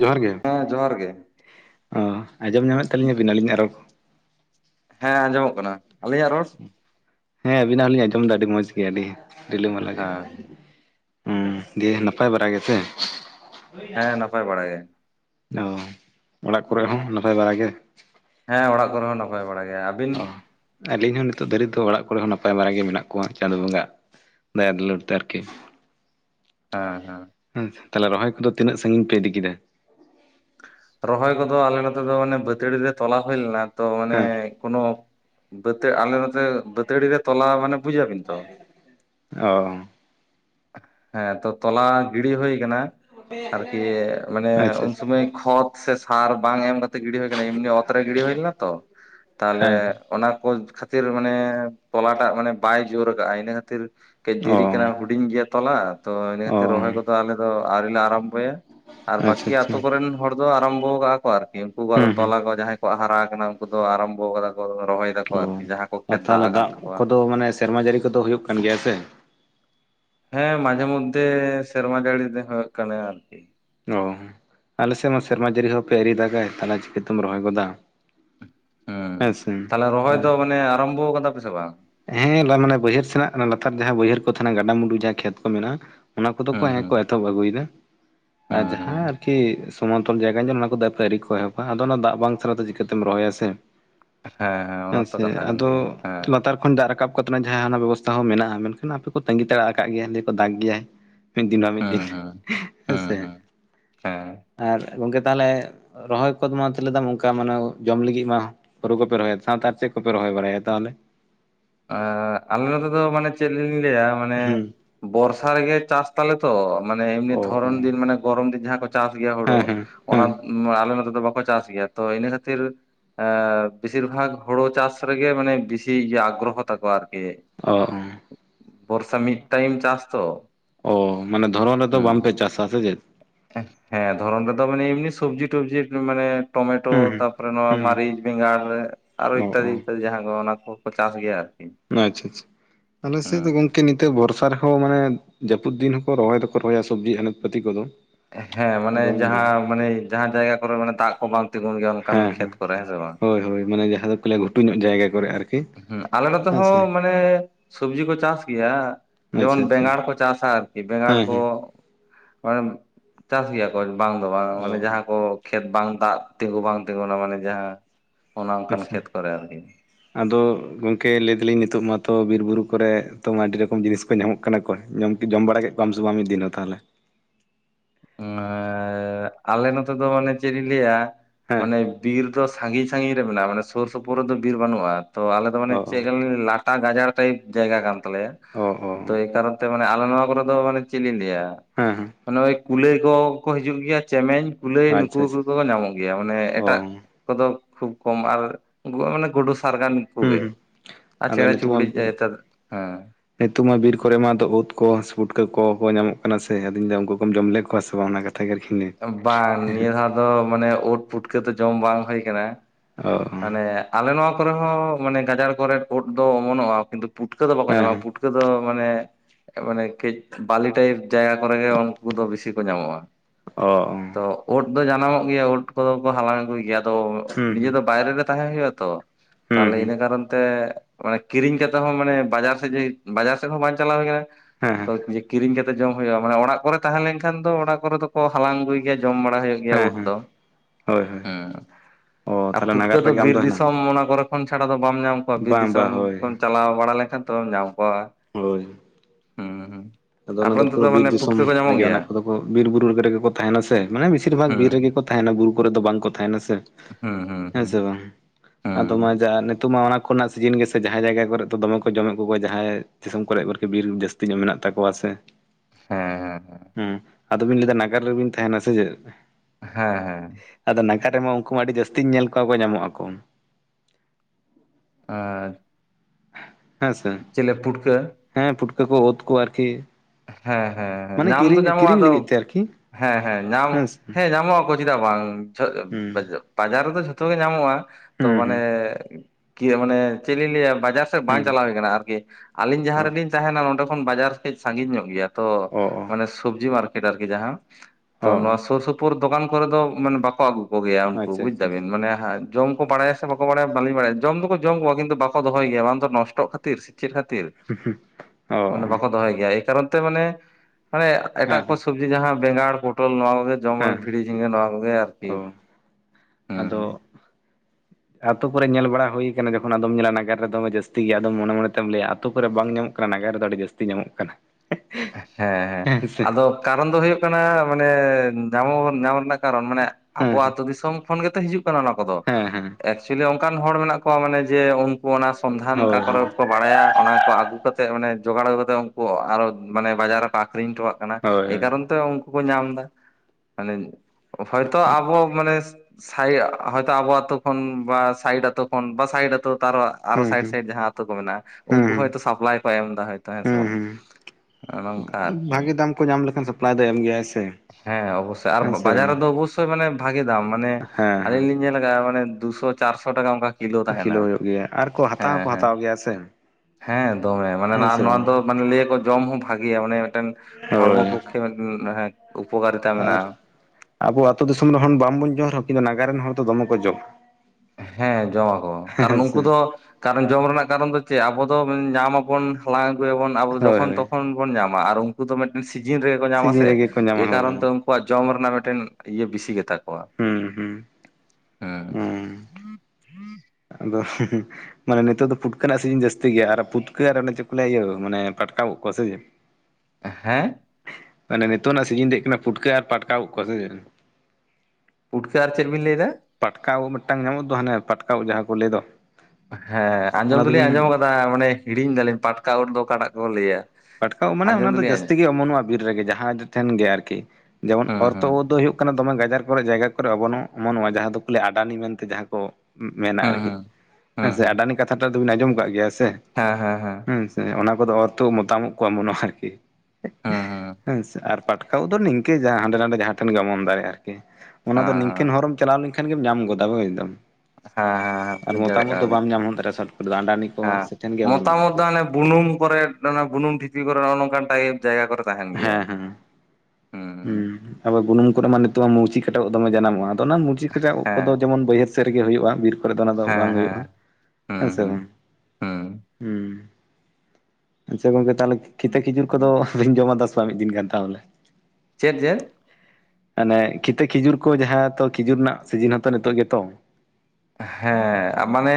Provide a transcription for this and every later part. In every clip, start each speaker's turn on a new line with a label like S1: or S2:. S1: ᱡᱚᱦᱟᱨ ᱜᱮ᱾
S2: ᱮᱸ, ᱡᱚᱦᱟᱨ ᱜᱮ᱾
S1: ᱚᱸ ᱟᱸᱡᱚᱢ ᱧᱟᱢᱮᱜ ᱛᱟᱹᱞᱤᱧᱟ ᱵᱤᱱ ᱟᱞᱤᱧᱟᱜ ᱨᱚᱲ?
S2: ᱦᱮᱸ, ᱟᱸᱡᱚᱢᱚᱜ ᱠᱟᱱᱟ ᱟᱞᱤᱧᱟᱜ ᱨᱚᱲ?
S1: ᱦᱮᱸ, ᱟᱵᱤᱱᱟᱜ ᱦᱚᱞᱤᱧ ᱟᱸᱡᱚᱢ ᱫᱟ ᱟᱰᱤ ᱢᱚᱡᱽ ᱜᱮ, ᱟᱰᱤ ᱨᱤᱞᱟᱹᱢᱟᱞᱟ ᱜᱮ᱾
S2: ᱦᱮᱸ
S1: ᱩᱸ ᱫᱤᱭᱮ ᱱᱟᱯᱟᱭ ᱵᱟᱨᱟ ᱜᱮᱥᱮ?
S2: ᱦᱮᱸ ᱱᱟᱯᱟᱭ ᱵᱟᱲᱟ ᱜᱮ
S1: ᱚ ᱚᱲᱟᱜ ᱠᱚᱨᱮ ᱦᱚᱸ ᱱᱟᱯᱟᱭ ᱵᱟᱲᱟ ᱜᱮᱻ?
S2: ᱦᱮᱸ, ᱚᱲᱟᱜ ᱠᱚᱨᱮ ᱦᱚᱸ ᱱᱟᱯᱟᱭ ᱵᱟᱲᱟ ᱜᱮ, ᱟᱵᱤᱱ?
S1: ᱚ ᱟᱹᱞᱤᱧ ᱦᱚᱸ ᱱᱤᱛᱚᱜ ᱫᱷᱟᱹᱨᱤᱡ ᱫᱚ, ᱚᱲᱟᱜ ᱠᱚᱨᱮ ᱦᱚᱸ ᱱᱟᱯᱟᱭ ᱵᱟᱨᱟ ᱜᱮ ᱢᱮᱱᱟᱜ ᱠᱚᱣᱟ ᱪᱟᱸᱫᱚ ᱵᱚᱸᱜᱟ ᱫᱟᱭᱟ, ᱫᱩᱞᱟᱹᱲ ᱛᱮ ᱟᱨᱠᱤ᱾
S2: ᱦᱟᱸ-ᱦᱟᱸ᱾
S1: ᱩᱸᱦ ᱛᱟᱞᱮ ᱨᱚᱦᱚᱭ ᱠᱚ ᱫᱚ ᱛᱤᱱᱟᱹᱜ ᱥᱟᱺᱜᱤᱧ ᱯᱮ ᱤᱫᱤ ᱠᱮᱫᱟ?
S2: ᱨᱚᱦᱚᱭ ᱠᱚᱫᱚ ᱟᱞᱮ ᱱᱚᱛᱮ ᱫᱚ ᱢᱟᱱᱮ ᱵᱟᱹᱛᱟᱹᱲᱤ ᱨᱮ ᱛᱚᱞᱟ ᱦᱩᱭ ᱞᱮᱱᱟ, ᱛᱚ ᱢᱟᱱᱮ
S1: ᱦᱮᱸ
S2: ᱠᱳᱱᱳ ᱵᱟᱹᱛᱟᱹ, ᱟᱞᱮ ᱱᱚᱛᱮ ᱵᱟᱹᱛᱟᱹᱲᱤ ᱨᱮ ᱛᱚᱞᱟ ᱢᱟᱱᱮ ᱵᱩᱡᱟ ᱵᱤᱱ ᱛᱚ
S1: ᱚ᱾
S2: ᱦᱮᱸ, ᱛᱚ ᱛᱚᱞᱟ ᱜᱤᱲᱤ ᱦᱩᱭ ᱠᱟᱱᱟ ᱟᱨᱠᱤ ᱢᱟᱱᱮ
S1: ᱟᱪᱪᱷᱟ ᱟᱪᱪᱷᱟ
S2: ᱩᱱ ᱥᱩᱢᱟᱹᱭ ᱠᱷᱚᱛ ᱥᱮ ᱥᱟᱨ ᱵᱟᱝ ᱮᱢ ᱠᱟᱛᱮ ᱜᱤᱲᱤ ᱦᱩᱭ ᱠᱟᱱᱟ, ᱮᱢᱱᱤ ᱚᱛ ᱨᱮ ᱜᱤᱲᱤ ᱦᱩᱭ ᱞᱮᱱᱟ ᱛᱚ, ᱛᱟᱞᱮ
S1: ᱦᱮᱸ
S2: ᱚᱱᱟ ᱠᱚᱡᱽ ᱠᱷᱟᱹᱛᱤᱨ ᱢᱟᱱᱮ ᱛᱚᱞᱟ ᱴᱟᱜ, ᱢᱟᱱᱮ ᱵᱟᱭ ᱡᱳᱨ ᱠᱟᱜᱼᱟ ᱤᱱᱟᱹ ᱠᱷᱟᱹᱛᱤᱨ ᱠᱟᱹᱡ
S1: ᱚ
S2: ᱫᱮᱨᱤ ᱠᱟᱱᱟ ᱦᱩᱰᱤᱧ ᱜᱮᱭᱟ ᱛᱚᱞᱟ, ᱛᱚ ᱤᱱᱟᱹ
S1: ᱚ
S2: ᱛᱤᱨ ᱨᱚᱦᱚᱭ ᱠᱚ ᱫᱚ ᱟᱞᱮ ᱫᱚ ᱟᱣᱨᱤ ᱞᱮ ᱟᱨᱟᱢᱵᱚᱭᱟ᱾ ᱟᱨ
S1: ᱟᱪᱪᱷᱟ
S2: ᱵᱟᱠᱤ
S1: ᱟᱪᱪᱷᱟ
S2: ᱟᱛᱳ ᱠᱚ ᱨᱮᱱ ᱦᱚᱲ ᱫᱚ ᱟᱨᱟᱢᱵᱚ ᱠᱟᱜᱼᱟ ᱠᱚ ᱟᱨᱠᱤ, ᱩᱝᱠᱩ ᱠᱚᱣᱟᱜ ᱣᱚ
S1: ᱦᱩᱸ ᱦᱩᱸ
S2: ᱛᱚᱞᱟ ᱠᱚ ᱡᱟᱦᱟᱸᱭ ᱠᱚᱣᱟᱜ ᱦᱟᱨᱟ ᱠᱟᱱᱟ ᱩᱝᱠᱩ ᱫᱚ ᱟᱨᱚᱢᱵᱷᱚ ᱠᱟᱫᱟ ᱠᱚ, ᱨᱚᱦᱚᱭ ᱜᱟᱠᱚ
S1: ᱚ
S2: ᱟᱨᱠᱤ, ᱡᱟᱦᱟᱸ ᱠᱚ
S1: ᱟᱨ
S2: ᱠᱷᱮᱛ ᱫᱟᱜ
S1: ᱛᱟᱦᱚᱞᱮ
S2: ᱟᱠᱟᱱ ᱛᱟᱠᱚᱣᱟ᱾
S1: ᱠᱚᱫᱚ ᱢᱟᱱᱮ ᱥᱮᱨᱢᱟ ᱡᱟᱨᱤ ᱠᱚ ᱫᱚ ᱦᱩᱭᱩᱜ ᱠᱟᱱ ᱜᱮᱭᱟ ᱥᱮ?
S2: ᱦᱮᱸ, ᱢᱟᱡᱷᱮ ᱢᱚᱫᱽᱫᱷᱮ ᱥᱮᱨᱢᱟ ᱡᱟᱲᱤ ᱛᱮᱦᱚᱸ ᱣᱚᱜ ᱠᱟᱱᱭᱟ ᱟᱨᱠᱤ᱾
S1: ᱚ ᱟᱞᱮ ᱥᱮᱫ ᱢᱟ ᱥᱮᱨᱢᱟ ᱡᱟᱹᱲᱤ ᱦᱚᱸ ᱦᱟᱯᱮ ᱟᱹᱣᱨᱤ ᱫᱟᱜᱟᱭ ᱛᱟᱦᱚᱞᱮ ᱪᱤᱠᱟᱹ ᱛᱮᱢ ᱨᱚᱦᱚᱭ ᱜᱚᱫᱟ᱾ ᱦᱮᱸ
S2: ᱦᱩᱸ
S1: ᱥᱮ
S2: ᱛᱟᱦᱞᱮ ᱨᱚᱦᱚᱭ ᱫᱚ ᱢᱟᱱᱮ ᱟᱨᱟᱢᱵᱚ ᱠᱟᱫᱟ ᱯᱮ ᱥᱮ ᱵᱟᱝ?
S1: ᱦᱮᱸ ᱱᱚᱣᱟ ᱢᱟᱱᱮ ᱵᱟᱹᱭᱦᱟᱹᱲ ᱥᱮᱱᱟᱜ ᱞᱟᱛᱟᱨ ᱡᱟᱦᱟᱸ ᱵᱟᱹᱭᱦᱟᱹᱲ ᱠᱚ ᱛᱟᱦᱮᱱᱟ ᱜᱟᱰᱟᱼᱢᱩᱰᱩ ᱡᱟᱦᱟᱸ ᱠᱷᱮᱛ ᱠᱚ ᱢᱮᱱᱟᱜᱼᱟ᱾ ᱚᱱᱟ ᱠᱚᱫᱚ ᱠᱚ
S2: ᱦᱩᱸ
S1: ᱮᱦᱮ
S2: ᱦᱩᱸ
S1: ᱠᱚ ᱮᱛᱚᱦᱚᱵ ᱟᱹᱜᱩᱭ ᱫᱟ ᱟᱨ
S2: ᱦᱩᱸ ᱦᱩᱸ
S1: ᱡᱟᱦᱟᱸ ᱟᱨᱠᱤᱼᱼ ᱥᱚᱢᱟᱱᱛᱚᱞ ᱡᱟᱭᱜᱟ ᱚᱱᱟ ᱠᱚᱫᱚ ᱦᱟᱯᱮ ᱟᱹᱣᱨᱤ ᱠᱚ ᱮᱦᱚᱵᱟ ᱟᱫᱚ ᱚᱱᱟ ᱫᱟᱜ ᱵᱟᱝ ᱥᱮᱨᱟ ᱛᱮ ᱪᱤᱠᱟᱹ ᱛᱮᱢ ᱨᱚᱦᱚᱭᱟ ᱥᱮ?
S2: ᱚᱱᱟ
S1: ᱦᱮᱸ
S2: ᱛᱚ
S1: ᱥᱮ
S2: ᱠᱟᱛᱷᱟ ᱠᱟᱱ
S1: ᱟᱫᱚ
S2: ᱜᱮᱭᱟ ᱦᱮᱸ
S1: ᱞᱟᱛᱟᱨᱼᱼ ᱠᱷᱚᱱ ᱫᱟᱜ ᱨᱟᱠᱟᱵ ᱠᱟᱛᱮ ᱚᱱᱮ ᱡᱟᱦᱟᱸ ᱚᱱᱟ ᱵᱮᱵᱚᱥᱛᱷᱟ ᱦᱚᱸ ᱢᱮᱱᱟᱜᱼᱟ ᱢᱮᱱᱠᱷᱟᱱ ᱦᱟᱯᱮ ᱠᱚ ᱛᱟᱸᱜᱤ ᱛᱟᱲᱟ ᱟᱠᱟᱫ ᱜᱮᱭᱟ ᱞᱟᱹᱭ ᱟᱠᱚ ᱫᱟᱜ ᱜᱮᱭᱟᱭ᱾ ᱢᱤᱫ ᱫᱤᱱ ᱢᱟ ᱢᱤᱫ
S2: ᱦᱩᱸ
S1: ᱫᱤᱱ
S2: ᱦᱩᱸ ᱦᱩᱸ
S1: ᱦᱮᱸᱥᱮ
S2: ᱦᱩᱸ ᱦᱮᱸ
S1: ᱟᱨ ᱜᱚᱝᱠᱮ ᱛᱟᱦᱚᱞᱮᱼᱼ ᱨᱚᱦᱚᱭ ᱠᱚᱫᱚ ᱢᱟ ᱛᱟᱦᱞᱮ ᱫᱟᱢ ᱚᱱᱠᱟ ᱢᱟᱱᱮ ᱡᱚᱢ ᱞᱟᱹᱜᱤᱫ ᱢᱟᱼᱼ ᱦᱩᱲᱩ ᱠᱚᱯᱮ ᱨᱚᱦᱚᱭᱟ ᱥᱟᱶᱛᱮ ᱟᱨ ᱪᱮᱫ ᱠᱚ ᱯᱮ ᱨᱚᱦᱚᱭ ᱵᱟᱲᱟᱭᱟ ᱛᱟᱦᱚᱞᱮ?
S2: ᱮ ᱟᱞᱮ ᱱᱚᱛᱮ ᱫᱚ ᱢᱟᱱᱮ ᱪᱮᱫ ᱞᱤᱧ ᱞᱟᱹᱭᱟ ᱢᱟᱱᱮᱼᱼ
S1: ᱦᱩᱸ
S2: ᱵᱚᱨᱥᱟ ᱨᱮᱜᱮ ᱪᱟᱥ ᱛᱟᱞᱮ ᱛᱚ ᱢᱟᱱᱮ ᱮᱢᱱᱤ
S1: ᱚ ᱚ
S2: ᱫᱷᱚᱨᱚᱱ ᱫᱤᱱ ᱢᱟᱱᱮ ᱜᱚᱨᱚᱢ ᱫᱤᱱ ᱡᱟᱦᱟᱸ ᱠᱚᱼᱼ ᱪᱟᱥ ᱜᱮᱭᱟ ᱦᱩᱲᱩ
S1: ᱦᱮᱸ ᱦᱮᱸ
S2: ᱚᱱᱟ
S1: ᱦᱮᱸ
S2: ᱟᱞᱮ ᱱᱚᱛᱮ ᱫᱚ ᱵᱟᱠᱚ ᱪᱟᱥ ᱜᱮᱭᱟ ᱛᱚ ᱤᱱᱟᱹ ᱠᱷᱟᱹᱛᱤᱨᱼᱼ ᱮ ᱵᱮᱥᱤᱨ ᱵᱷᱟᱜᱽ ᱦᱩᱲᱩ ᱪᱟᱥ ᱨᱮᱜᱮ ᱢᱟᱱᱮ ᱵᱮᱥᱤ ᱤᱭᱟᱹ ᱟᱜᱽᱨᱚ ᱦᱚ ᱛᱟᱠᱚ ᱟᱨᱠᱤ᱾
S1: ᱚ
S2: ᱵᱚᱨᱥᱟ ᱢᱤᱫ ᱴᱟᱭᱤᱢ ᱪᱟᱥ ᱛᱚ,
S1: ᱚ ᱢᱟᱱᱮ ᱫᱷᱚᱨᱚᱱ ᱨᱮᱫᱚ
S2: ᱦᱩᱸ
S1: ᱵᱟᱝᱯᱮ ᱪᱟᱥᱟ ᱥᱮ ᱪᱮᱫ?
S2: ᱦᱮᱸ ᱫᱷᱚᱨᱚᱱ ᱨᱮᱫᱚ ᱢᱟᱱᱮ ᱮᱢᱱᱤ ᱥᱚᱵᱡᱤ ᱴᱚᱵᱡᱤ ᱢᱟᱱᱮ ᱴᱚᱢᱮᱴᱳ
S1: ᱦᱩᱸ
S2: ᱛᱟᱼᱼ
S1: ᱦᱩᱸ
S2: ᱛᱟᱯᱚᱨᱮ ᱱᱚᱣᱟ
S1: ᱦᱩᱸ
S2: ᱢᱟᱹᱨᱤᱪ ᱵᱮᱸᱜᱟᱲ ᱨᱮ ᱟᱨᱚ
S1: ᱚ
S2: ᱤᱛᱛᱟᱫᱤ
S1: ᱚ
S2: ᱤᱛᱛᱟᱫᱤ ᱡᱟᱦᱟᱸ ᱠᱚ ᱚᱱᱟ ᱠᱚᱠᱚ ᱪᱟᱥ ᱜᱮᱭᱟ ᱟᱨᱠᱤᱼᱼ
S1: ᱟᱪᱪᱷᱟ ᱟᱪᱪᱷᱟ ᱟᱞᱮ ᱥᱮᱫ ᱫᱚ ᱜᱚᱝᱠᱮ ᱱᱤᱛᱚᱜ ᱵᱚᱨᱥᱟ ᱨᱮᱼᱼ ᱚ ᱢᱟᱱᱮ ᱡᱟᱹᱯᱩᱫ ᱫᱤᱱ ᱦᱚᱸᱠᱚ ᱨᱚᱦᱚᱭ ᱫᱚᱠᱚ ᱨᱚᱦᱚᱭᱟ ᱥᱚᱵᱽᱡᱤ ᱟᱱᱟᱡ ᱯᱟᱹᱛᱤ ᱠᱚ ᱫᱚᱜᱼᱼ
S2: ᱦᱮᱸ ᱢᱟᱱᱮ ᱡᱟᱦᱟᱸ ᱢᱟᱱᱮ ᱡᱟᱦᱟᱸ ᱡᱟᱭᱜᱟ ᱠᱚᱨᱮ ᱢᱟᱱᱮ ᱫᱟᱜ ᱠᱚ ᱵᱟᱝ ᱛᱤᱸᱜᱩᱱ ᱜᱮᱭᱟ ᱚᱱᱠᱟᱱ
S1: ᱦᱮᱸ
S2: ᱠᱷᱮᱛ
S1: ᱦᱮᱸ
S2: ᱠᱚᱨᱮ ᱦᱮᱸᱥᱮ ᱵᱟᱝ?
S1: ᱦᱳᱭ ᱦᱳᱭ ᱢᱟᱱᱮ ᱡᱟᱦᱟᱸ ᱫᱚ ᱛᱟᱦᱞᱮ ᱜᱷᱩᱴᱩ ᱧᱚᱜ ᱡᱟᱭᱜᱟ ᱠᱚᱨᱮ ᱟᱨᱠᱤ᱾
S2: ᱦᱚᱸ ᱟᱞᱮ ᱱᱚᱛᱮ
S1: ᱦᱮᱸᱥᱮ
S2: ᱦᱚᱸ ᱢᱟᱱᱮ ᱥᱚᱵᱡᱤ ᱠᱚ ᱪᱟᱥ ᱜᱮᱭᱟ᱾
S1: ᱟᱪᱪᱷᱟ
S2: ᱡᱮᱢᱚᱱ
S1: ᱟᱪᱪᱷᱟ
S2: ᱵᱮᱸᱜᱟᱲ ᱠᱚ ᱪᱟᱥᱟ ᱟᱨᱠᱤ ᱵᱮᱸᱜᱟᱲ
S1: ᱦᱮᱸ
S2: ᱠᱚ
S1: ᱦᱮᱸ
S2: ᱚᱼᱼ ᱪᱟᱥ ᱜᱮᱭᱟ ᱠᱚ ᱵᱟᱝ ᱫᱚ ᱵᱟᱝ ᱢᱟᱱᱮ
S1: ᱚ
S2: ᱡᱟᱦᱟᱸ ᱠᱚ ᱠᱷᱮᱛ ᱵᱟᱝ ᱫᱟᱜ ᱛᱤᱸᱜᱩ ᱵᱟᱝ ᱛᱤᱸᱜᱩ ᱱᱟ ᱢᱟᱱᱮ ᱡᱟᱦᱟᱸᱼᱼ ᱚᱱᱮ ᱚᱱᱠᱟᱱ
S1: ᱟᱪᱪᱷᱟ
S2: ᱠᱷᱮᱛ ᱠᱚᱨᱮ ᱟᱨᱠᱤ᱾
S1: ᱟᱫᱚ ᱜᱚᱝᱼᱠᱮ ᱞᱟᱹᱭ ᱫᱟᱞᱤᱧ ᱱᱤᱛᱚᱜ ᱢᱟᱛᱚ ᱵᱤᱨ ᱵᱩᱨᱩ ᱠᱚ ᱨᱮ ᱛᱚᱢ ᱟᱹᱰᱤ ᱨᱚᱠᱚᱢ ᱡᱤᱱᱤᱥᱼᱼ ᱧᱟᱢᱚᱜ ᱠᱟᱱᱟ ᱠᱚ ᱡᱚᱢ ᱡᱚᱢ ᱵᱟᱲᱟ ᱠᱮᱫ ᱠᱚᱣᱟᱢ ᱥᱮ ᱵᱟᱝ ᱢᱤᱫ ᱫᱤᱱ ᱦᱚᱸ ᱛᱟᱦᱚᱞᱮ?
S2: ᱮ ᱟᱞᱮ ᱱᱚᱛᱮ ᱫᱚ ᱢᱟᱱᱮ ᱪᱮᱫ ᱤᱧ ᱞᱟᱹᱭᱟ
S1: ᱦᱮᱸ
S2: ᱢᱟᱱᱮᱼᱼ ᱵᱤᱨ ᱫᱚ ᱥᱟᱺᱜᱤᱧ ᱥᱟᱺᱜᱤᱧ ᱨᱮ ᱢᱮᱱᱟᱜᱼᱟ ᱢᱟᱱᱮ ᱥᱩᱨ ᱥᱩᱯᱩᱨ ᱨᱮᱫᱚ ᱵᱤᱨ ᱵᱟᱹᱱᱩᱜᱼᱟ ᱛᱚ ᱟᱞᱮ ᱫᱚ ᱢᱟᱱᱮ ᱪᱮᱫ
S1: ᱚ
S2: ᱠᱟ ᱞᱮ ᱞᱟᱴᱼᱼ ᱴᱟ ᱜᱟᱡᱟᱲ ᱴᱟᱭᱤᱯ ᱡᱟᱭᱜᱟ ᱠᱟᱱ ᱛᱟᱞᱮᱭᱟ
S1: ᱚ ᱚ
S2: ᱛᱚ ᱮ ᱠᱟᱨᱚᱱᱼᱼ ᱛᱚ ᱢᱟᱱᱮ ᱟᱞᱚ ᱱᱚᱣᱟ ᱠᱚᱨᱮ ᱫᱚ ᱢᱟᱱᱮ ᱪᱮᱫ ᱞᱤᱧ ᱞᱮᱭᱟ᱾
S1: ᱦᱚᱸ ᱦᱚᱸ
S2: ᱚᱱᱮ ᱭ ᱠᱩᱞᱟᱹᱭ ᱠᱚᱠᱚ ᱦᱤᱡᱩᱜ ᱜᱮᱭᱟ ᱪᱮᱢᱮᱧᱼᱼ ᱠᱩᱞᱟᱹᱭ
S1: ᱟᱪᱪᱷᱟ
S2: ᱠᱩᱠᱩ
S1: ᱟᱪᱪᱷᱟ
S2: ᱠᱚᱜᱮ ᱧᱟᱢᱚᱜ ᱜᱮᱭᱟ ᱢᱟᱱᱮ
S1: ᱚ
S2: ᱮᱴᱟᱜᱼᱼ ᱠᱚᱫᱚ ᱠᱷᱩᱵ ᱠᱚᱢ ᱟᱨ ᱜᱩ ᱢᱟᱱᱮ ᱜᱩᱰᱩ ᱥᱟᱨᱜᱟᱼᱼ ᱱᱩᱠᱩ
S1: ᱦᱩᱸ
S2: ᱜᱮ
S1: ᱦᱩᱸ
S2: ᱟᱨ
S1: ᱟᱫᱚ
S2: ᱪᱮᱲᱟ
S1: ᱱᱤᱛᱚᱜ ᱢᱟ
S2: ᱪᱩᱯᱩᱲ ᱮᱛ ᱦ [unintelligible]
S1: ᱱᱤᱛᱚᱜ ᱢᱟ ᱵᱤᱨ ᱠᱚᱨᱮ ᱢᱟ ᱫᱚ ᱩᱛᱠᱚ, ᱥᱩᱴᱠᱟᱹ ᱠᱚ ᱠᱚ ᱧᱟᱢᱚᱜ ᱠᱟᱱᱟ ᱥᱮ, ᱟᱹᱫᱤᱧ ᱫᱚ ᱟᱢ ᱠᱚᱠᱚᱢ ᱡᱚᱢ ᱞᱮᱠᱚᱣᱟ ᱥᱮ ᱵᱟᱝ ᱚᱱᱟ ᱠᱚᱼᱼ ᱠᱟᱛᱷᱟ ᱟᱨᱠᱤ ᱤᱧ ᱞᱟᱹᱭᱼᱼ
S2: ᱵᱟᱝ ᱱᱤᱭᱟᱹ ᱫᱷᱟᱣ ᱫᱚ ᱢᱟᱱᱮ ᱩᱴ ᱯᱩᱴᱠᱟᱹᱛᱚ ᱡᱚᱢ ᱵᱟᱝ ᱦᱩᱭ ᱟᱠᱟᱱᱟ᱾
S1: ᱚᱻ
S2: ᱢᱟᱱᱮ ᱟᱞᱮ ᱱᱚᱣᱟ ᱠᱚᱨᱮ ᱦᱚᱸ ᱢᱟᱱᱮ ᱜᱟᱡᱟᱲ ᱠᱚᱨᱮᱮᱫ ᱠᱴ ᱫᱚ ᱚᱢᱚᱱᱚᱜᱼᱟ ᱠᱤᱱᱛᱩ ᱯᱩᱴᱠᱟᱹ ᱫᱚ ᱵᱟᱠᱚ
S1: ᱦᱮᱸ
S2: ᱧᱟᱢᱟᱼᱟ
S1: ᱦᱮᱸ
S2: ᱯᱩᱴᱠᱟᱹᱼᱼ ᱠᱚᱫᱚ ᱢᱟᱱᱮᱼᱼ ᱢᱟᱱᱮ ᱠᱟᱹᱡ ᱵᱟᱞᱤ ᱴᱟᱭᱤᱯ ᱡᱟᱭᱜᱟ ᱠᱚᱨᱮᱜ ᱜᱮ ᱩᱱᱠᱩ ᱫᱚ ᱵᱤᱥᱤ ᱠᱚ ᱧᱟᱢᱚᱜᱼᱟ᱾
S1: ᱚ
S2: ᱛᱚ ᱚᱴ ᱫᱚ ᱡᱟᱱᱟᱢᱚᱜ ᱜᱮᱭᱟ ᱩᱴ ᱠᱚᱫᱚ ᱠᱚ ᱦᱟᱞᱟᱝ ᱟᱹᱜᱩᱭ ᱜᱮᱭᱟ ᱛᱚ
S1: ᱦᱩᱸ
S2: ᱱᱤᱡᱮ ᱫᱚ᱾ ᱵᱟᱭᱨᱮ ᱛᱟᱦᱮᱸ ᱦᱩᱭᱩᱜ ᱟ ᱛᱚ
S1: ᱦᱩᱸ
S2: ᱛᱟᱦᱞᱮ
S1: ᱦᱩᱸ
S2: ᱤᱱᱟᱹ ᱠᱟᱨᱚᱱ ᱛᱮ ᱾ ᱢᱟᱱᱮ ᱠᱤᱨᱤᱧ ᱠᱟᱛᱮᱜ ᱦᱚᱸ ᱢᱟᱱᱮ ᱵᱟᱡᱟᱨ ᱥᱮᱡ ᱵᱟᱡᱟᱨ ᱥᱮᱮᱫ ᱦᱚᱸ ᱵᱟᱝ ᱪᱟᱞᱟᱣ ᱦᱩᱭ ᱠᱟᱱᱟ
S1: ᱦᱮᱸ
S2: ᱛᱚ᱾
S1: ᱦᱮᱸ
S2: ᱠᱤᱨᱤᱧ ᱠᱟᱛᱮ ᱡᱚᱢ ᱦᱩᱭᱩᱜᱼᱟ ᱢᱟᱱᱮ ᱚᱲᱟᱜ ᱠᱚᱨᱮ ᱛᱟᱦᱮᱸ ᱞᱮᱱ ᱠᱷᱟᱱ ᱫᱚ ᱚᱲᱟᱜ ᱠᱚᱨᱮ ᱫᱚ ᱠᱚ ᱦᱟᱞᱟᱝ ᱟᱹᱜᱩᱭ ᱜᱮᱭᱟ ᱡᱚᱢ ᱵᱟᱲᱟ ᱦᱩᱭᱩᱜ᱾
S1: ᱦᱮᱸ
S2: ᱩᱴ
S1: ᱦᱮᱸ
S2: ᱫᱚ
S1: ᱦᱳᱭ ᱦᱳᱭ
S2: ᱦᱚ
S1: ᱚ
S2: ᱟᱨ
S1: ᱛᱟᱦᱚᱞᱮ ᱱᱟᱜᱟᱨ
S2: ᱯᱩᱴᱠᱟᱹ ᱫᱚ
S1: ᱨᱮᱜᱮ ᱟᱢ
S2: ᱵᱤᱨ
S1: ᱦᱮᱱᱟᱢᱟ
S2: ᱫᱤᱥᱚᱢ ᱚᱱᱟ ᱠᱚᱨᱮ᱾ ᱛᱠᱷᱚᱱ ᱪᱷᱟᱲᱟ ᱫᱚ ᱵᱟᱢ ᱧᱟᱢ ᱠᱚᱣᱟ ᱵᱤᱨ
S1: ᱵᱟᱝ
S2: ᱫᱤᱥᱚᱢ
S1: ᱵᱟᱝ ᱦᱳᱭ
S2: ᱠᱚᱢ ᱪᱟᱞᱟᱣ ᱵᱟᱲᱟ ᱞᱮᱱᱠᱷᱟᱱ ᱛᱢ ᱧᱟᱢ ᱠᱚᱣᱟ᱾
S1: ᱦᱳᱭ
S2: ᱦᱮᱸ ᱦᱮᱸ
S1: ᱚᱱᱟ ᱫᱚ ᱯᱩᱨᱟᱹ ᱵᱤᱨ ᱫᱤᱥᱚᱢ ᱟᱨ ᱚᱱᱟ ᱟᱫ ᱚᱱᱟ ᱫᱚ ᱵᱤᱨ ᱫᱤᱥᱚᱢ ᱨᱮᱜᱮ ᱠᱚᱫᱚ ᱵᱤᱨ ᱵᱩᱨᱩ ᱨᱮᱜᱮ ᱠᱚ ᱛᱟᱦᱮᱸᱱᱟ ᱥᱮ ᱢᱟᱱᱮ ᱵᱤᱥᱤᱨ ᱵᱷᱟᱜᱽ
S2: ᱦᱩᱸ
S1: ᱵᱤᱨ ᱨᱮᱜᱮ ᱠᱚ᱾ ᱛᱟᱦᱮᱱᱟ ᱵᱩᱨᱩ ᱠᱚᱨᱮ ᱫᱚ ᱵᱟᱝ ᱠᱚ ᱛᱟᱦᱮᱱᱟ ᱥᱮ
S2: ᱦᱩᱸ ᱦᱩᱸ
S1: ᱦᱮ
S2: ᱦᱩᱸ
S1: ᱥᱮ ᱵᱟᱝ᱾ ᱟᱫᱚ
S2: ᱦᱩᱸ
S1: ᱢᱟ ᱱᱤᱛᱳ ᱢᱟ ᱚᱱᱟ ᱠᱚᱨᱮᱱᱟᱜ ᱥᱤᱡᱤᱱ ᱜᱮᱥᱮ ᱡᱟᱦᱟ ᱭ ᱡᱟᱭᱜᱟ ᱠᱚᱨᱮ ᱫᱚᱢᱮ ᱠᱚ ᱡᱚᱢᱮᱫ ᱠᱚᱜᱣᱟ ᱡᱟᱦᱟᱭ᱾ ᱫᱤᱥᱚᱢ ᱠᱚᱨᱮ [inaudible] ᱵᱤᱨ ᱡᱟᱹᱥᱛᱤ ᱧᱚᱜ ᱢᱮᱱᱟᱜ᱾ ᱛᱟᱠᱚᱣᱟ ᱥᱮ ᱦᱮᱸ ᱟᱫᱚ ᱵᱤᱱ ᱞᱟᱹᱭᱫᱟ ᱱᱟᱜᱟᱨ ᱨᱮᱵᱤᱱ ᱛᱟᱦᱮᱸᱱᱟ ᱥᱮ ᱪᱮᱫ᱾
S2: ᱦᱮᱸ ᱦᱮᱸ
S1: ᱟᱫᱚ ᱱᱟᱜᱟᱨ ᱨᱮᱢᱟ ᱩᱱᱠᱩ ᱢᱟ ᱟᱹᱰᱤ ᱡᱟᱹᱥᱛᱤᱧ ᱧᱮᱞ ᱠᱚᱣᱟ ᱠᱚ ᱧᱟᱢᱚᱜ ᱟᱠ᱾
S2: ᱟᱸ
S1: ᱦᱮᱸ ᱥᱮ
S2: ᱯᱩᱴᱠᱟᱹ
S1: ᱦᱮᱸ ᱯᱷᱩᱴᱠᱟᱹ ᱠᱚ ᱩᱛ ᱠᱚ ᱟᱨᱠᱤ᱾
S2: ᱦᱮᱸ ᱦᱮᱸ
S1: ᱢᱟᱱᱮ
S2: ᱧᱟᱢ ᱫᱚ
S1: ᱠᱤᱨᱤᱧ
S2: ᱧᱟᱢᱚᱜᱼᱟ
S1: ᱠᱤᱨᱤᱧ
S2: ᱟᱫᱚ
S1: ᱞᱟᱹᱜᱤᱫ ᱛᱮ ᱟᱨᱠᱤ
S2: ᱦᱮᱸ ᱦᱮᱸ ᱧᱟᱢ ᱦᱮᱸ ᱧᱟᱢᱚᱜ ᱟᱼᱼ ᱪᱮᱫᱟᱜ ᱵᱟᱝ
S1: ᱦᱩᱸ
S2: [inaudible] ᱵᱟᱡᱟᱨ ᱨᱮᱫᱚ ᱡᱷᱚᱛᱚ ᱜᱮ ᱧᱟᱢᱚᱜᱼᱟ ᱛᱚ
S1: ᱦᱩᱸ
S2: ᱢᱟᱱᱮ᱾
S1: ᱦᱩᱸ
S2: ᱠᱤᱭᱟᱹ ᱢᱟᱱᱮ ᱪᱮᱫ ᱞᱤᱧ ᱞᱟᱹᱭᱟ ᱵᱟᱡᱟᱨ ᱥᱮᱫ ᱵᱟᱝ
S1: ᱦᱩᱸ
S2: ᱪᱟᱞᱟᱣ ᱦᱩᱭ ᱠᱟᱱᱟ ᱟᱨᱠᱤ, ᱟᱹᱞᱤᱧ ᱡᱟᱦᱟ
S1: ᱚ
S2: ᱨᱮᱞᱤᱤᱧ ᱛᱟᱦᱮᱱᱟ ᱱᱚᱰᱮ ᱠᱷᱚᱱ ᱵᱟᱡᱟᱨ᱾ ᱥᱟᱜᱤᱧ ᱧᱚᱜ ᱜᱮᱭᱟ ᱛᱚ
S1: ᱚ
S2: ᱢᱟᱱᱮ
S1: ᱚ
S2: ᱥᱚᱵᱡᱤ ᱢᱟᱨᱠᱮᱴ ᱟᱨᱠᱤ ᱡᱟᱦᱟ
S1: ᱚ
S2: ᱛᱚ ᱱᱚᱣᱟ ᱥᱩᱨ ᱥᱩᱯᱼᱼ ᱥᱩᱯᱩᱨ ᱫᱚᱠᱟᱱ ᱠᱚᱨᱮ ᱫᱚ ᱢᱟᱱᱮ ᱵᱟᱠᱚ ᱟᱹᱜᱩ ᱠᱚᱜᱮᱭᱟ ᱩᱱᱠᱩ
S1: ᱟᱪᱪᱷᱟ ᱟᱪᱪᱷᱟ
S2: ᱵᱩᱡ
S1: ᱟᱪᱪᱷᱟ
S2: ᱫᱟᱵᱤᱱ ᱢᱟᱱᱮᱜ ᱦᱟᱜ᱾ ᱡᱚᱢ ᱠᱚ ᱵᱟᱲᱟᱭᱟ ᱥᱮ ᱵᱟᱠᱚ ᱵᱟᱲᱟᱭᱟ ᱵᱟᱟᱹᱞᱤᱧ ᱵᱟᱲᱟᱭᱟ ᱡᱚᱢ ᱫᱚᱠᱚ ᱡᱚᱢ ᱠᱚᱣᱟ ᱠᱤᱱᱛᱩ ᱵᱟᱠ ᱫᱚᱦᱚᱭ ᱜᱮᱭᱟ ᱵᱟᱝ ᱫᱚ ᱱᱚᱥᱴᱚᱜ ᱠᱷᱟᱹᱛᱤᱨ᱾ ᱪᱮᱫ ᱠᱷᱟᱹᱛᱤᱨ ᱾
S1: [inaudible] ᱚ
S2: ᱮᱭ ᱠᱟᱨᱚᱱ ᱛᱮ ᱢᱟᱱᱮ ᱢᱟᱱᱮ
S1: ᱦᱮᱸ
S2: ᱮᱴᱟᱜ ᱠᱚ
S1: ᱦᱮᱸ
S2: ᱥᱚᱵᱽᱡᱤ ᱡᱟᱦᱟ ᱵᱮᱜᱟᱲ ᱯᱚᱴᱚᱞ ᱱᱚᱣᱟ ᱠᱚᱜᱮ᱾ ᱡᱚᱢ
S1: ᱦᱮᱸ
S2: ᱵᱷᱤᱲ ᱡᱷᱤ ᱱᱚᱣᱟ ᱠᱚᱜᱮ ᱟᱨᱠᱤ
S1: ᱚ
S2: ᱦᱩᱸ ᱩᱸ
S1: ᱟᱛᱩ ᱠᱚᱨᱮ ᱧᱮᱞ ᱵᱟᱲᱟ ᱦᱩᱭ ᱠᱟᱱᱟ ᱡᱚᱠᱷᱚᱱ ᱟᱫᱚᱢ ᱧᱮᱞᱟ ᱱᱟᱜᱟᱨ ᱨᱮ ᱫᱚᱮ ᱡᱟᱹᱛᱤ ᱜᱮ ᱟᱫᱚᱢ ᱢᱚᱱᱮ ᱢᱚᱱᱮᱛᱮᱢ ᱞᱟᱹᱭᱼᱟ ᱟᱹᱛᱩ ᱠᱚᱨᱮ ᱵᱟᱝ ᱧᱟᱢ᱾ ᱱᱟᱜᱟᱨ ᱨᱮᱫᱚ ᱟᱹᱰᱤ ᱡᱟᱹᱥᱛᱤ ᱧᱟᱢᱚᱜ ᱠᱟᱱᱟ᱾
S2: ᱦᱮ ᱦᱮ
S1: ᱦᱮᱸ ᱥᱮ
S2: ᱟᱫᱚ ᱠᱟᱨᱚᱱ ᱫᱚ ᱦᱩᱭᱩᱜ ᱠᱟᱱᱟ ᱢᱟᱱᱮ ᱧᱟᱢ ᱧᱟᱢᱚᱜ ᱨᱮᱱᱟᱜ᱾ ᱠᱟᱨᱚᱱ ᱢᱟᱱᱮ ᱟᱵᱚ
S1: ᱦᱮᱸ
S2: ᱟᱹᱛᱩ ᱫᱤᱥᱚᱢ ᱠᱷᱚᱱ ᱜᱮᱛᱚ ᱦᱤᱡᱩᱜ ᱠᱟᱱᱟ ᱚᱱᱟ ᱠᱚᱫᱚ᱾
S1: ᱦᱮᱸ ᱦᱮᱸ
S2: ᱮᱠᱪᱩᱞᱤ ᱚᱱᱠᱟᱱ ᱦᱚᱲ ᱢᱮᱱᱟᱜ ᱠᱚᱣᱟ ᱢᱟᱱᱮ ᱡᱮ ᱩᱱᱠᱩ ᱚᱱᱟ ᱥᱚᱱᱫᱷᱟᱱ ᱚᱠᱟ
S1: ᱦᱳᱭ
S2: ᱠᱚᱨᱮ᱾
S1: ᱦᱳᱭ
S2: ᱵᱟᱲᱟᱭᱟ ᱚᱱᱟ ᱠᱚ ᱟᱹᱜᱩ ᱠᱟᱛᱮᱫ ᱢᱟᱱᱮ ᱡᱳᱚᱜᱟᱲ ᱠᱟᱛᱮ ᱩᱱᱠᱩ ᱟᱨᱚ ᱢᱟᱱᱮ ᱵᱟᱡᱟᱨ ᱨᱮᱠᱚ ᱟᱹᱠᱷᱨᱤᱧ ᱦᱚᱴᱚ᱾ ᱠᱟᱱᱟ
S1: ᱦᱳᱭ
S2: ᱮᱭ ᱠᱟᱨᱚᱱ ᱛᱮ ᱩᱱᱠᱩ ᱠᱚ ᱧᱟᱢ ᱮᱫᱟ ᱢᱟᱱᱮ ᱦᱚᱭᱛᱳ ᱟᱵᱚ ᱢᱟᱱᱮ᱾ ᱥᱟᱭ ᱦᱚᱛᱚ ᱟᱵᱚᱛ ᱠᱷᱚᱱᱚᱱ ᱵᱟ ᱥᱟᱭᱰ ᱮᱛᱚ ᱠᱷᱚᱱᱚᱱ ᱵᱟ ᱥᱟᱭᱤᱰ ᱟᱛᱩ ᱛᱟᱨ᱾ ᱟᱨᱚ
S1: ᱦᱩᱸ
S2: ᱥᱟᱭᱤᱰ
S1: ᱦᱩᱸ
S2: ᱥᱟᱭᱤᱰ ᱡᱟᱦᱟᱸ ᱟᱛᱩ ᱠᱚ ᱢᱮᱱᱟᱜᱼᱟ ᱩᱱᱠᱩ
S1: ᱦᱩᱸ
S2: ᱦᱚᱭᱛᱳ ᱥᱟᱯᱞᱟᱭ ᱠᱚ ᱮᱢᱫᱟ ᱦᱚᱭᱛᱚ ᱦᱮ ᱥᱮ
S1: ᱦᱩᱸ
S2: ᱵᱟᱝ᱾
S1: ᱦᱩᱸ
S2: ᱱᱚᱝᱠᱟ ᱟᱨᱠᱤ
S1: ᱵᱷᱟᱜᱤ ᱫᱟᱢ ᱠᱚ ᱧᱟᱢ ᱞᱮᱠᱷᱟᱱ ᱥᱟᱯᱞᱟᱭ ᱫᱚᱭ ᱮᱢ ᱜᱮᱭᱟᱭ ᱥᱮ᱾
S2: ᱦᱮ ᱚᱵᱚᱥᱳᱭ ᱟᱨ
S1: ᱦᱮᱸ ᱥᱮ
S2: ᱵᱟᱡᱟᱨ
S1: ᱵᱟᱝ
S2: ᱨᱮᱫᱚ ᱚᱵᱚᱥᱳᱭ ᱢᱟᱱᱮ ᱵᱷᱟᱜᱤ ᱫᱟᱢ ᱢᱟᱱᱮ
S1: ᱦᱮᱸ ᱦᱮᱸ
S2: ᱟᱹᱞᱤᱧ ᱞᱤᱧ᱾ ᱧᱮᱞ ᱟᱠᱟᱜᱼᱟ ᱢᱟᱱᱮ ᱫᱩᱥᱚ ᱪᱟᱨᱥᱚ ᱴᱟᱠᱟ ᱚᱱᱠᱟ᱾ ᱠᱤᱞᱳ ᱛᱟᱦᱮᱱᱟ
S1: ᱦᱩᱭᱩᱜ ᱜᱮᱭᱟ ᱟᱨᱠᱚ ᱦᱟᱛᱟᱣ
S2: ᱦᱮᱸ
S1: ᱦᱚᱸᱠᱚ
S2: ᱦᱮᱸ
S1: ᱦᱟᱛᱟᱣ ᱜᱮᱭᱟ ᱥᱮ
S2: ᱦᱮᱸ ᱫᱚᱢᱮ ᱢᱟᱱᱮ
S1: ᱦᱮᱸ ᱥᱮ
S2: ᱱᱚᱣᱟ
S1: ᱵᱟᱝ
S2: ᱫᱚ᱾ ᱢᱟᱱᱮ ᱞᱟᱹᱭᱟ ᱠᱚ ᱡᱚᱢ ᱦᱚᱸ ᱵᱷᱟᱜᱮᱭᱟ ᱢᱟᱱᱮ ᱢᱤᱫᱴᱮᱱ ᱦᱚᱲᱢᱚ
S1: ᱦᱳᱭ
S2: ᱯᱚᱠᱠᱷᱮ ᱢᱤᱫ ᱩᱯᱚᱠᱟᱨᱤᱛᱟ
S1: ᱟᱨ
S2: ᱢᱮᱱᱟᱜᱼᱟ᱾
S1: ᱟᱵᱚ ᱟᱛᱩ ᱫᱤᱥᱚᱢ ᱨᱮᱱ ᱦᱚᱲ ᱵᱟᱵᱚᱱ ᱡᱚᱢ ᱨᱮᱦᱚᱸ ᱠᱤᱱᱛᱩ ᱱᱟᱜᱟᱨ ᱨᱮᱱ ᱦᱚᱲ ᱫᱚᱢᱮ ᱠᱚ ᱡᱚᱢ᱾
S2: ᱦᱮᱸ ᱡᱚᱢ ᱟᱠᱚ ᱠᱟᱨᱚᱱ ᱩᱱᱠᱩ
S1: ᱥᱮ
S2: ᱫᱚ᱾ ᱠᱟᱨᱚᱱ ᱡᱚᱢ ᱨᱮᱱᱟᱜ ᱠᱟᱨᱚᱱ ᱫᱚ ᱪᱮᱫ ᱟᱵᱚ ᱫᱚ ᱧᱟᱢᱟᱵᱚᱱ ᱦᱟᱞᱟᱝ ᱟᱹᱜᱩᱭᱟᱵᱚᱱ ᱟᱵᱚ
S1: ᱦᱳᱭ
S2: ᱡᱚᱠᱷᱚᱱ
S1: ᱦᱳᱭ
S2: ᱛᱚᱠᱷᱚᱱ ᱵᱚᱱ ᱧᱟᱢᱟ ᱟᱨ ᱩᱱᱠᱩ ᱫᱚ ᱢᱤᱫᱴᱮᱱ ᱥᱤᱡᱤᱱ ᱨᱮᱜᱮ ᱠᱚ ᱧᱟᱢᱟ
S1: ᱥᱤᱡᱤᱱ
S2: ᱥᱮ
S1: ᱨᱮᱜᱮ ᱠᱚ ᱧᱟᱢᱟ
S2: ᱮᱭ
S1: ᱦᱳᱭ
S2: ᱠᱟᱨᱚᱱ
S1: ᱦᱳᱭ
S2: ᱛᱮ ᱩᱱ ᱟᱠᱚᱣᱟᱜ ᱡᱚᱢ ᱨᱮᱱᱟᱜ ᱢᱤᱫᱴᱮᱱ ᱤᱭᱟᱹ ᱵᱤᱥᱤ ᱜᱮᱛᱟ ᱠᱚᱣᱟ
S1: ᱦᱮᱸ ᱦᱮᱸ
S2: ᱦᱮᱸ
S1: ᱟᱫᱚ [unintelligible] ᱢᱟᱱᱮ ᱱᱤᱛᱚᱜ ᱫᱚ ᱯᱩᱴᱠᱟᱹ ᱨᱮᱱᱟᱜ ᱥᱤᱡᱤᱱ ᱡᱟᱹᱥᱛᱤ ᱜᱮᱭᱟ ᱟᱨ ᱯᱩᱴᱠᱟᱹ ᱟᱨ ᱚᱱᱮ ᱪᱮᱫ ᱠᱚ ᱞᱟᱹᱭᱟ ᱤᱭᱟᱹ ᱢᱟᱱᱮ ᱯᱟᱴᱠᱟ ᱩᱫ ᱠᱚ ᱥᱮ ᱪᱮᱫ
S2: ᱦᱮᱸ
S1: ᱢᱟᱱᱮ ᱱᱤᱛᱚᱜ ᱨᱮᱱᱟᱜ ᱥᱤᱡᱤᱱ ᱫᱚ ᱦᱩᱭᱩᱜ ᱠᱟᱱᱟ ᱯᱩᱴᱠᱟᱹ ᱟᱨ ᱯᱟᱴᱠᱟ ᱩᱫ ᱠᱚᱣᱟᱜ ᱟᱨ ᱥᱮ ᱪᱮᱫ
S2: ᱯᱩᱴᱠᱟᱹ ᱟᱨ ᱪᱮᱫ ᱵᱤᱱ ᱞᱟᱹᱭᱮᱫᱟ
S1: ᱯᱟᱴᱠᱟ ᱩᱫ ᱢᱤᱫᱴᱟᱝ ᱧᱟᱢᱚᱜ ᱫᱚ ᱦᱟᱱᱮ ᱯᱟᱴᱠᱟ ᱩᱫ ᱡᱟᱦᱟᱸ ᱠᱚ ᱞᱟᱹᱭ ᱫᱚ
S2: ᱦᱮᱸ ᱟᱸᱡᱚᱢ
S1: ᱚᱱᱟ
S2: ᱫᱚᱞᱤᱧ
S1: ᱫᱚᱵᱤᱱ
S2: ᱟᱸᱡᱚᱢ ᱟᱠᱟᱫᱟ ᱢᱟᱱᱮ ᱦᱤᱲᱤᱧ ᱫᱟᱞᱤᱧ ᱯᱟᱴᱠᱟ ᱩᱴ ᱫᱚ ᱚᱠᱟᱴᱟᱜ ᱠᱚ ᱞᱟᱹᱭᱟ
S1: ᱯᱟᱴᱠᱟ ᱩᱫ ᱢᱟᱱᱮ
S2: ᱟᱸᱡᱚᱢ
S1: ᱚᱱᱟ ᱫᱚ
S2: ᱫᱚᱞᱤᱧ
S1: ᱡᱟᱹᱥᱛᱤ
S2: ᱟᱸᱡᱚᱢ
S1: ᱜᱮ ᱚᱢᱚᱱᱚᱜᱼᱟ ᱵᱤᱨ ᱨᱮᱜᱮ ᱡᱟᱦᱟᱸ ᱴᱷᱮᱱ ᱜᱮ ᱟᱨᱠᱤ ᱡᱮᱢᱚᱱ
S2: ᱦᱩᱸ ᱦᱩᱸ
S1: ᱚᱨᱛᱩᱫ ᱩᱫ ᱫᱚ ᱦᱩᱭᱩᱜ ᱠᱟᱱᱟ ᱫᱚᱢᱮ ᱜᱟᱡᱟᱨ ᱠᱚᱨᱮ ᱡᱟᱭᱜᱟ ᱠᱚᱨᱮ ᱚᱵᱚᱱᱚᱜ ᱚᱢᱚᱱᱚᱜᱼᱟ ᱡᱟᱦᱟᱸ ᱫᱚᱠᱚ ᱞᱟᱹᱭᱟ ᱟᱰᱟᱱᱤ ᱢᱮᱱᱛᱮ ᱡᱟᱦᱟᱸ ᱠᱚ ᱢᱮᱱᱟᱜᱼᱟ
S2: ᱦᱩᱸ
S1: ᱟᱨᱠᱤ
S2: ᱦᱩᱸ
S1: ᱦᱮᱸ
S2: ᱦᱩᱸ
S1: ᱥᱮ
S2: ᱦᱩᱸ
S1: ᱟᱰᱟᱱᱤ ᱠᱟᱛᱷᱟᱴᱟᱜ ᱫᱚᱵᱤᱱ ᱟᱸᱡᱚᱢ ᱠᱟᱜ ᱜᱮᱭᱟ ᱦᱮᱸᱥᱮ
S2: ᱦᱮᱸ ᱦᱮᱸ ᱦᱮᱸ
S1: ᱦᱮᱸ ᱥᱮ ᱚᱱᱟ ᱠᱚᱫᱚ ᱚᱨᱛᱩᱫ ᱢᱚᱛᱟᱢ ᱩᱫ ᱠᱚ ᱚᱢᱚᱱᱚᱜᱼᱟ ᱟᱨᱠᱤ
S2: ᱦᱩᱸ ᱦᱩᱸ
S1: ᱦᱮᱸ ᱥᱮ ᱟᱨ ᱯᱟᱴ ᱠᱟ ᱩᱫ ᱫᱚ ᱱᱤᱝᱠᱟᱹ ᱡᱟᱦᱟᱸ ᱦᱟᱸᱰᱮ ᱱᱟᱸᱰᱮ ᱡᱟᱦᱟᱸ ᱴᱷᱮᱱ ᱜᱮ ᱚᱢᱚᱱ ᱫᱟᱲᱮᱜᱼᱟ ᱟᱨᱠᱤ ᱚᱱᱟ
S2: ᱦᱮᱸ
S1: ᱫᱚ
S2: ᱦᱮᱸ
S1: ᱱᱤᱝᱠᱟᱹ
S2: ᱦᱮᱸ
S1: ᱦᱚᱨᱚᱢ ᱪᱟᱞᱟᱣ ᱞᱮᱱᱠᱷᱟᱱ ᱜᱮᱢ ᱧᱟᱢ ᱜᱚᱫᱟ ᱦᱳᱭ ᱮᱠᱫᱚᱢ
S2: ᱦᱮᱸ
S1: ᱟᱨ
S2: ᱵᱩᱡᱽ
S1: ᱢᱚᱛᱟᱢ
S2: ᱫᱟᱲᱮᱭᱟᱜ
S1: ᱩᱫ ᱫᱚ
S2: ᱠᱟᱱᱟᱞᱤᱧ
S1: ᱵᱟᱢ ᱧᱟᱢ ᱦᱚᱸᱫᱟ ᱨᱟᱥᱚᱴ ᱠᱷᱩᱸᱴ ᱫᱚ ᱟᱱᱰᱟᱱᱤ ᱠᱚ
S2: ᱦᱮᱸ
S1: ᱥᱮ ᱴᱷᱮᱱ ᱜᱮ ᱚᱢᱚᱱᱚᱜᱼᱟ
S2: ᱢᱚᱛᱟᱢᱚᱛ
S1: ᱟᱨᱠᱤ
S2: ᱫᱚ ᱚᱱᱮ ᱵᱩᱱᱩᱢ ᱠᱚᱨᱮ ᱡᱟᱫᱟ ᱵᱩᱱᱩᱢ ᱴᱷᱤᱯᱤ ᱠᱚᱨᱮ ᱦᱚᱸ ᱱᱚᱝᱠᱟᱱ ᱴᱟᱭᱤᱯ ᱡᱟᱭᱜᱟ ᱠᱚᱨᱮ ᱛᱟᱦᱮᱱ ᱜᱮᱭᱟ
S1: ᱦᱮᱸ
S2: ᱦᱩᱸ
S1: ᱦᱮᱸ ᱟᱵᱟᱨ ᱵᱩᱱᱩᱢ ᱠᱚᱨᱮ ᱢᱟ ᱱᱤᱛᱚᱜ ᱢᱟ ᱢᱩᱪᱤ ᱠᱟᱴᱟ ᱫᱚᱢᱮ ᱡᱟᱱᱟᱢᱚᱜᱼᱟ ᱟᱫᱚ ᱚᱱᱟ ᱢᱩᱪᱤ ᱠᱟᱴᱟ ᱠᱚᱫᱚ
S2: ᱦᱮᱸ
S1: ᱡᱮᱢᱚᱱ ᱵᱟᱹᱭᱦᱟᱹᱲ ᱥᱮᱫ ᱨᱮᱜᱮ ᱦᱩᱭᱩᱜᱼᱟ ᱵᱤᱨ ᱠᱚᱨᱮ ᱫᱚ ᱚᱱᱟ ᱫᱚ
S2: ᱦᱮᱸ
S1: ᱵᱟᱝ ᱦᱩᱭᱩᱜᱼᱟ᱾
S2: ᱦᱮᱸ ᱦᱩᱸ
S1: ᱦᱮᱸ ᱥᱮ
S2: ᱦᱩᱸ
S1: ᱵᱟᱝ
S2: ᱦᱩᱸ
S1: ᱦᱩᱸ ᱟᱪᱪᱷᱟ ᱜᱚᱝᱠᱮ ᱛᱟᱦᱚᱞᱮ ᱠᱤᱛᱟᱹ ᱠᱷᱤᱡᱩᱨ ᱠᱚᱫᱚ ᱵᱮᱱ ᱡᱚᱢᱟ ᱫᱟᱥᱟ ᱥᱮ ᱵᱟᱝ ᱢᱤᱫ ᱫᱤᱱ ᱜᱟᱱ ᱛᱟᱦᱚᱞᱮ
S2: ᱪᱮᱫ ᱪᱮᱫ
S1: ᱚᱱᱮ ᱠᱤᱛᱟᱹ ᱠᱷᱤᱡᱩᱨ ᱠᱚ ᱡᱟᱦᱟᱸ ᱛᱚ ᱠᱷᱤᱡᱩᱨ ᱨᱮᱱᱟᱜ ᱥᱤᱡᱤᱱ ᱦᱚᱸᱛᱚ ᱱᱤᱛᱚᱜ ᱜᱮᱛᱚ
S2: ᱦᱮᱸ ᱟᱨ ᱢᱟᱱᱮ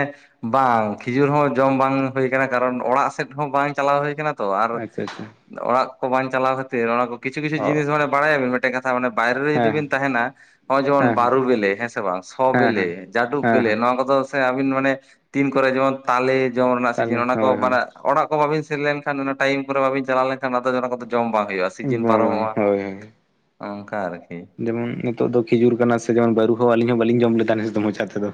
S2: ᱵᱟᱝ ᱠᱷᱤᱡᱩᱨ ᱦᱚᱸ ᱡᱚᱢ ᱵᱟᱝ ᱦᱩᱭ ᱠᱟᱱᱟ ᱠᱟᱨᱚᱱ ᱚᱲᱟᱜ ᱥᱮᱫ ᱦᱚᱸ ᱵᱟᱝ ᱪᱟᱞᱟᱣ ᱦᱩᱭ ᱠᱟᱱᱟ ᱛᱚ ᱟᱨ
S1: ᱟᱪᱪᱷᱟ ᱟᱪᱪᱷᱟ
S2: ᱚᱲᱟᱜ ᱠᱚ ᱵᱟᱝ ᱪᱟᱞᱟᱣ ᱠᱷᱟᱹᱛᱤᱨ ᱚᱱᱟ ᱠᱚ ᱠᱤᱪᱷᱩ ᱠᱤᱪᱷᱩ
S1: ᱚ
S2: ᱡᱤᱱᱤᱥ ᱢᱟᱱᱮ ᱵᱟᱲᱟᱭᱟ ᱵᱮᱱ ᱢᱤᱫᱴᱮᱡ ᱠᱟᱛᱷᱟ ᱢᱟᱱᱮ ᱵᱟᱭᱨᱮ ᱨᱮ ᱡᱩᱫᱤ
S1: ᱦᱮᱸ
S2: ᱵᱤᱱ ᱛᱟᱦᱮᱱᱟ᱾ ᱦᱚᱸᱜᱼᱚᱭ ᱡᱮᱢᱚᱱ
S1: ᱦᱮᱸ
S2: ᱵᱟᱨᱩ ᱵᱮᱞᱮ ᱦᱮᱸ ᱥᱮ ᱵᱟᱝ ᱥᱚᱸ
S1: ᱦᱮᱸ
S2: ᱵᱮᱞᱮ
S1: ᱦᱮᱸ
S2: ᱪᱟᱰᱩᱠ
S1: ᱦᱮᱸ
S2: ᱵᱮᱞᱮ
S1: ᱦᱮᱸ
S2: ᱱᱚᱣᱟ ᱠᱚᱫᱚ ᱥᱮ ᱟᱹᱵᱤᱱ ᱢᱟᱱᱮ ᱛᱤᱱ ᱠᱚᱨᱮ ᱡᱮᱢᱚᱱ ᱛᱟᱞᱮ ᱡᱚᱢ ᱨᱮᱱᱟᱜ
S1: ᱛᱟᱦᱚᱞᱮ
S2: ᱥᱤᱡᱟᱹᱱ ᱚᱱᱟ ᱠᱚ
S1: ᱦᱳᱭ ᱦᱳᱭ
S2: ᱵᱟᱲᱟᱜ ᱚᱲᱟᱜ ᱠᱚ ᱵᱟᱹᱵᱤᱱ ᱥᱮᱱ ᱞᱮᱱ ᱠᱷᱟᱱ ᱚᱱᱟ ᱴᱟᱭᱤᱢ ᱠᱚᱨᱮ ᱵᱟᱹᱵᱤᱱ ᱪᱟᱞᱟᱣ ᱞᱮᱱᱠᱷᱟᱱ ᱟᱫᱚ ᱚᱱᱟ ᱠᱚᱫᱚ ᱡᱚᱢ ᱵᱟᱝ ᱦᱩᱭᱩᱜᱼᱟ
S1: ᱵᱟᱝ
S2: ᱥᱤᱡᱤᱱ
S1: ᱵᱟᱝ
S2: ᱯᱟᱨᱚᱢᱚᱜᱼᱟ᱾
S1: ᱦᱳᱭ ᱦᱳᱭ
S2: ᱚᱝᱠᱟ ᱟᱨᱠᱤ
S1: ᱡᱮᱢᱚᱱ ᱱᱤᱛᱚᱜ ᱫᱚ ᱠᱷᱤᱡᱩᱨ ᱠᱟᱱᱟ ᱥᱮ ᱡᱮᱢᱚᱱ ᱵᱟᱹᱨᱩ ᱦᱚᱸ ᱟᱹᱞᱤᱧ ᱦᱚᱸ ᱵᱟᱹᱞᱤᱧ ᱡᱚᱢ ᱞᱮᱫᱟ ᱱᱮᱥ ᱫᱚ ᱢᱚᱪᱟ ᱛᱮᱫᱚ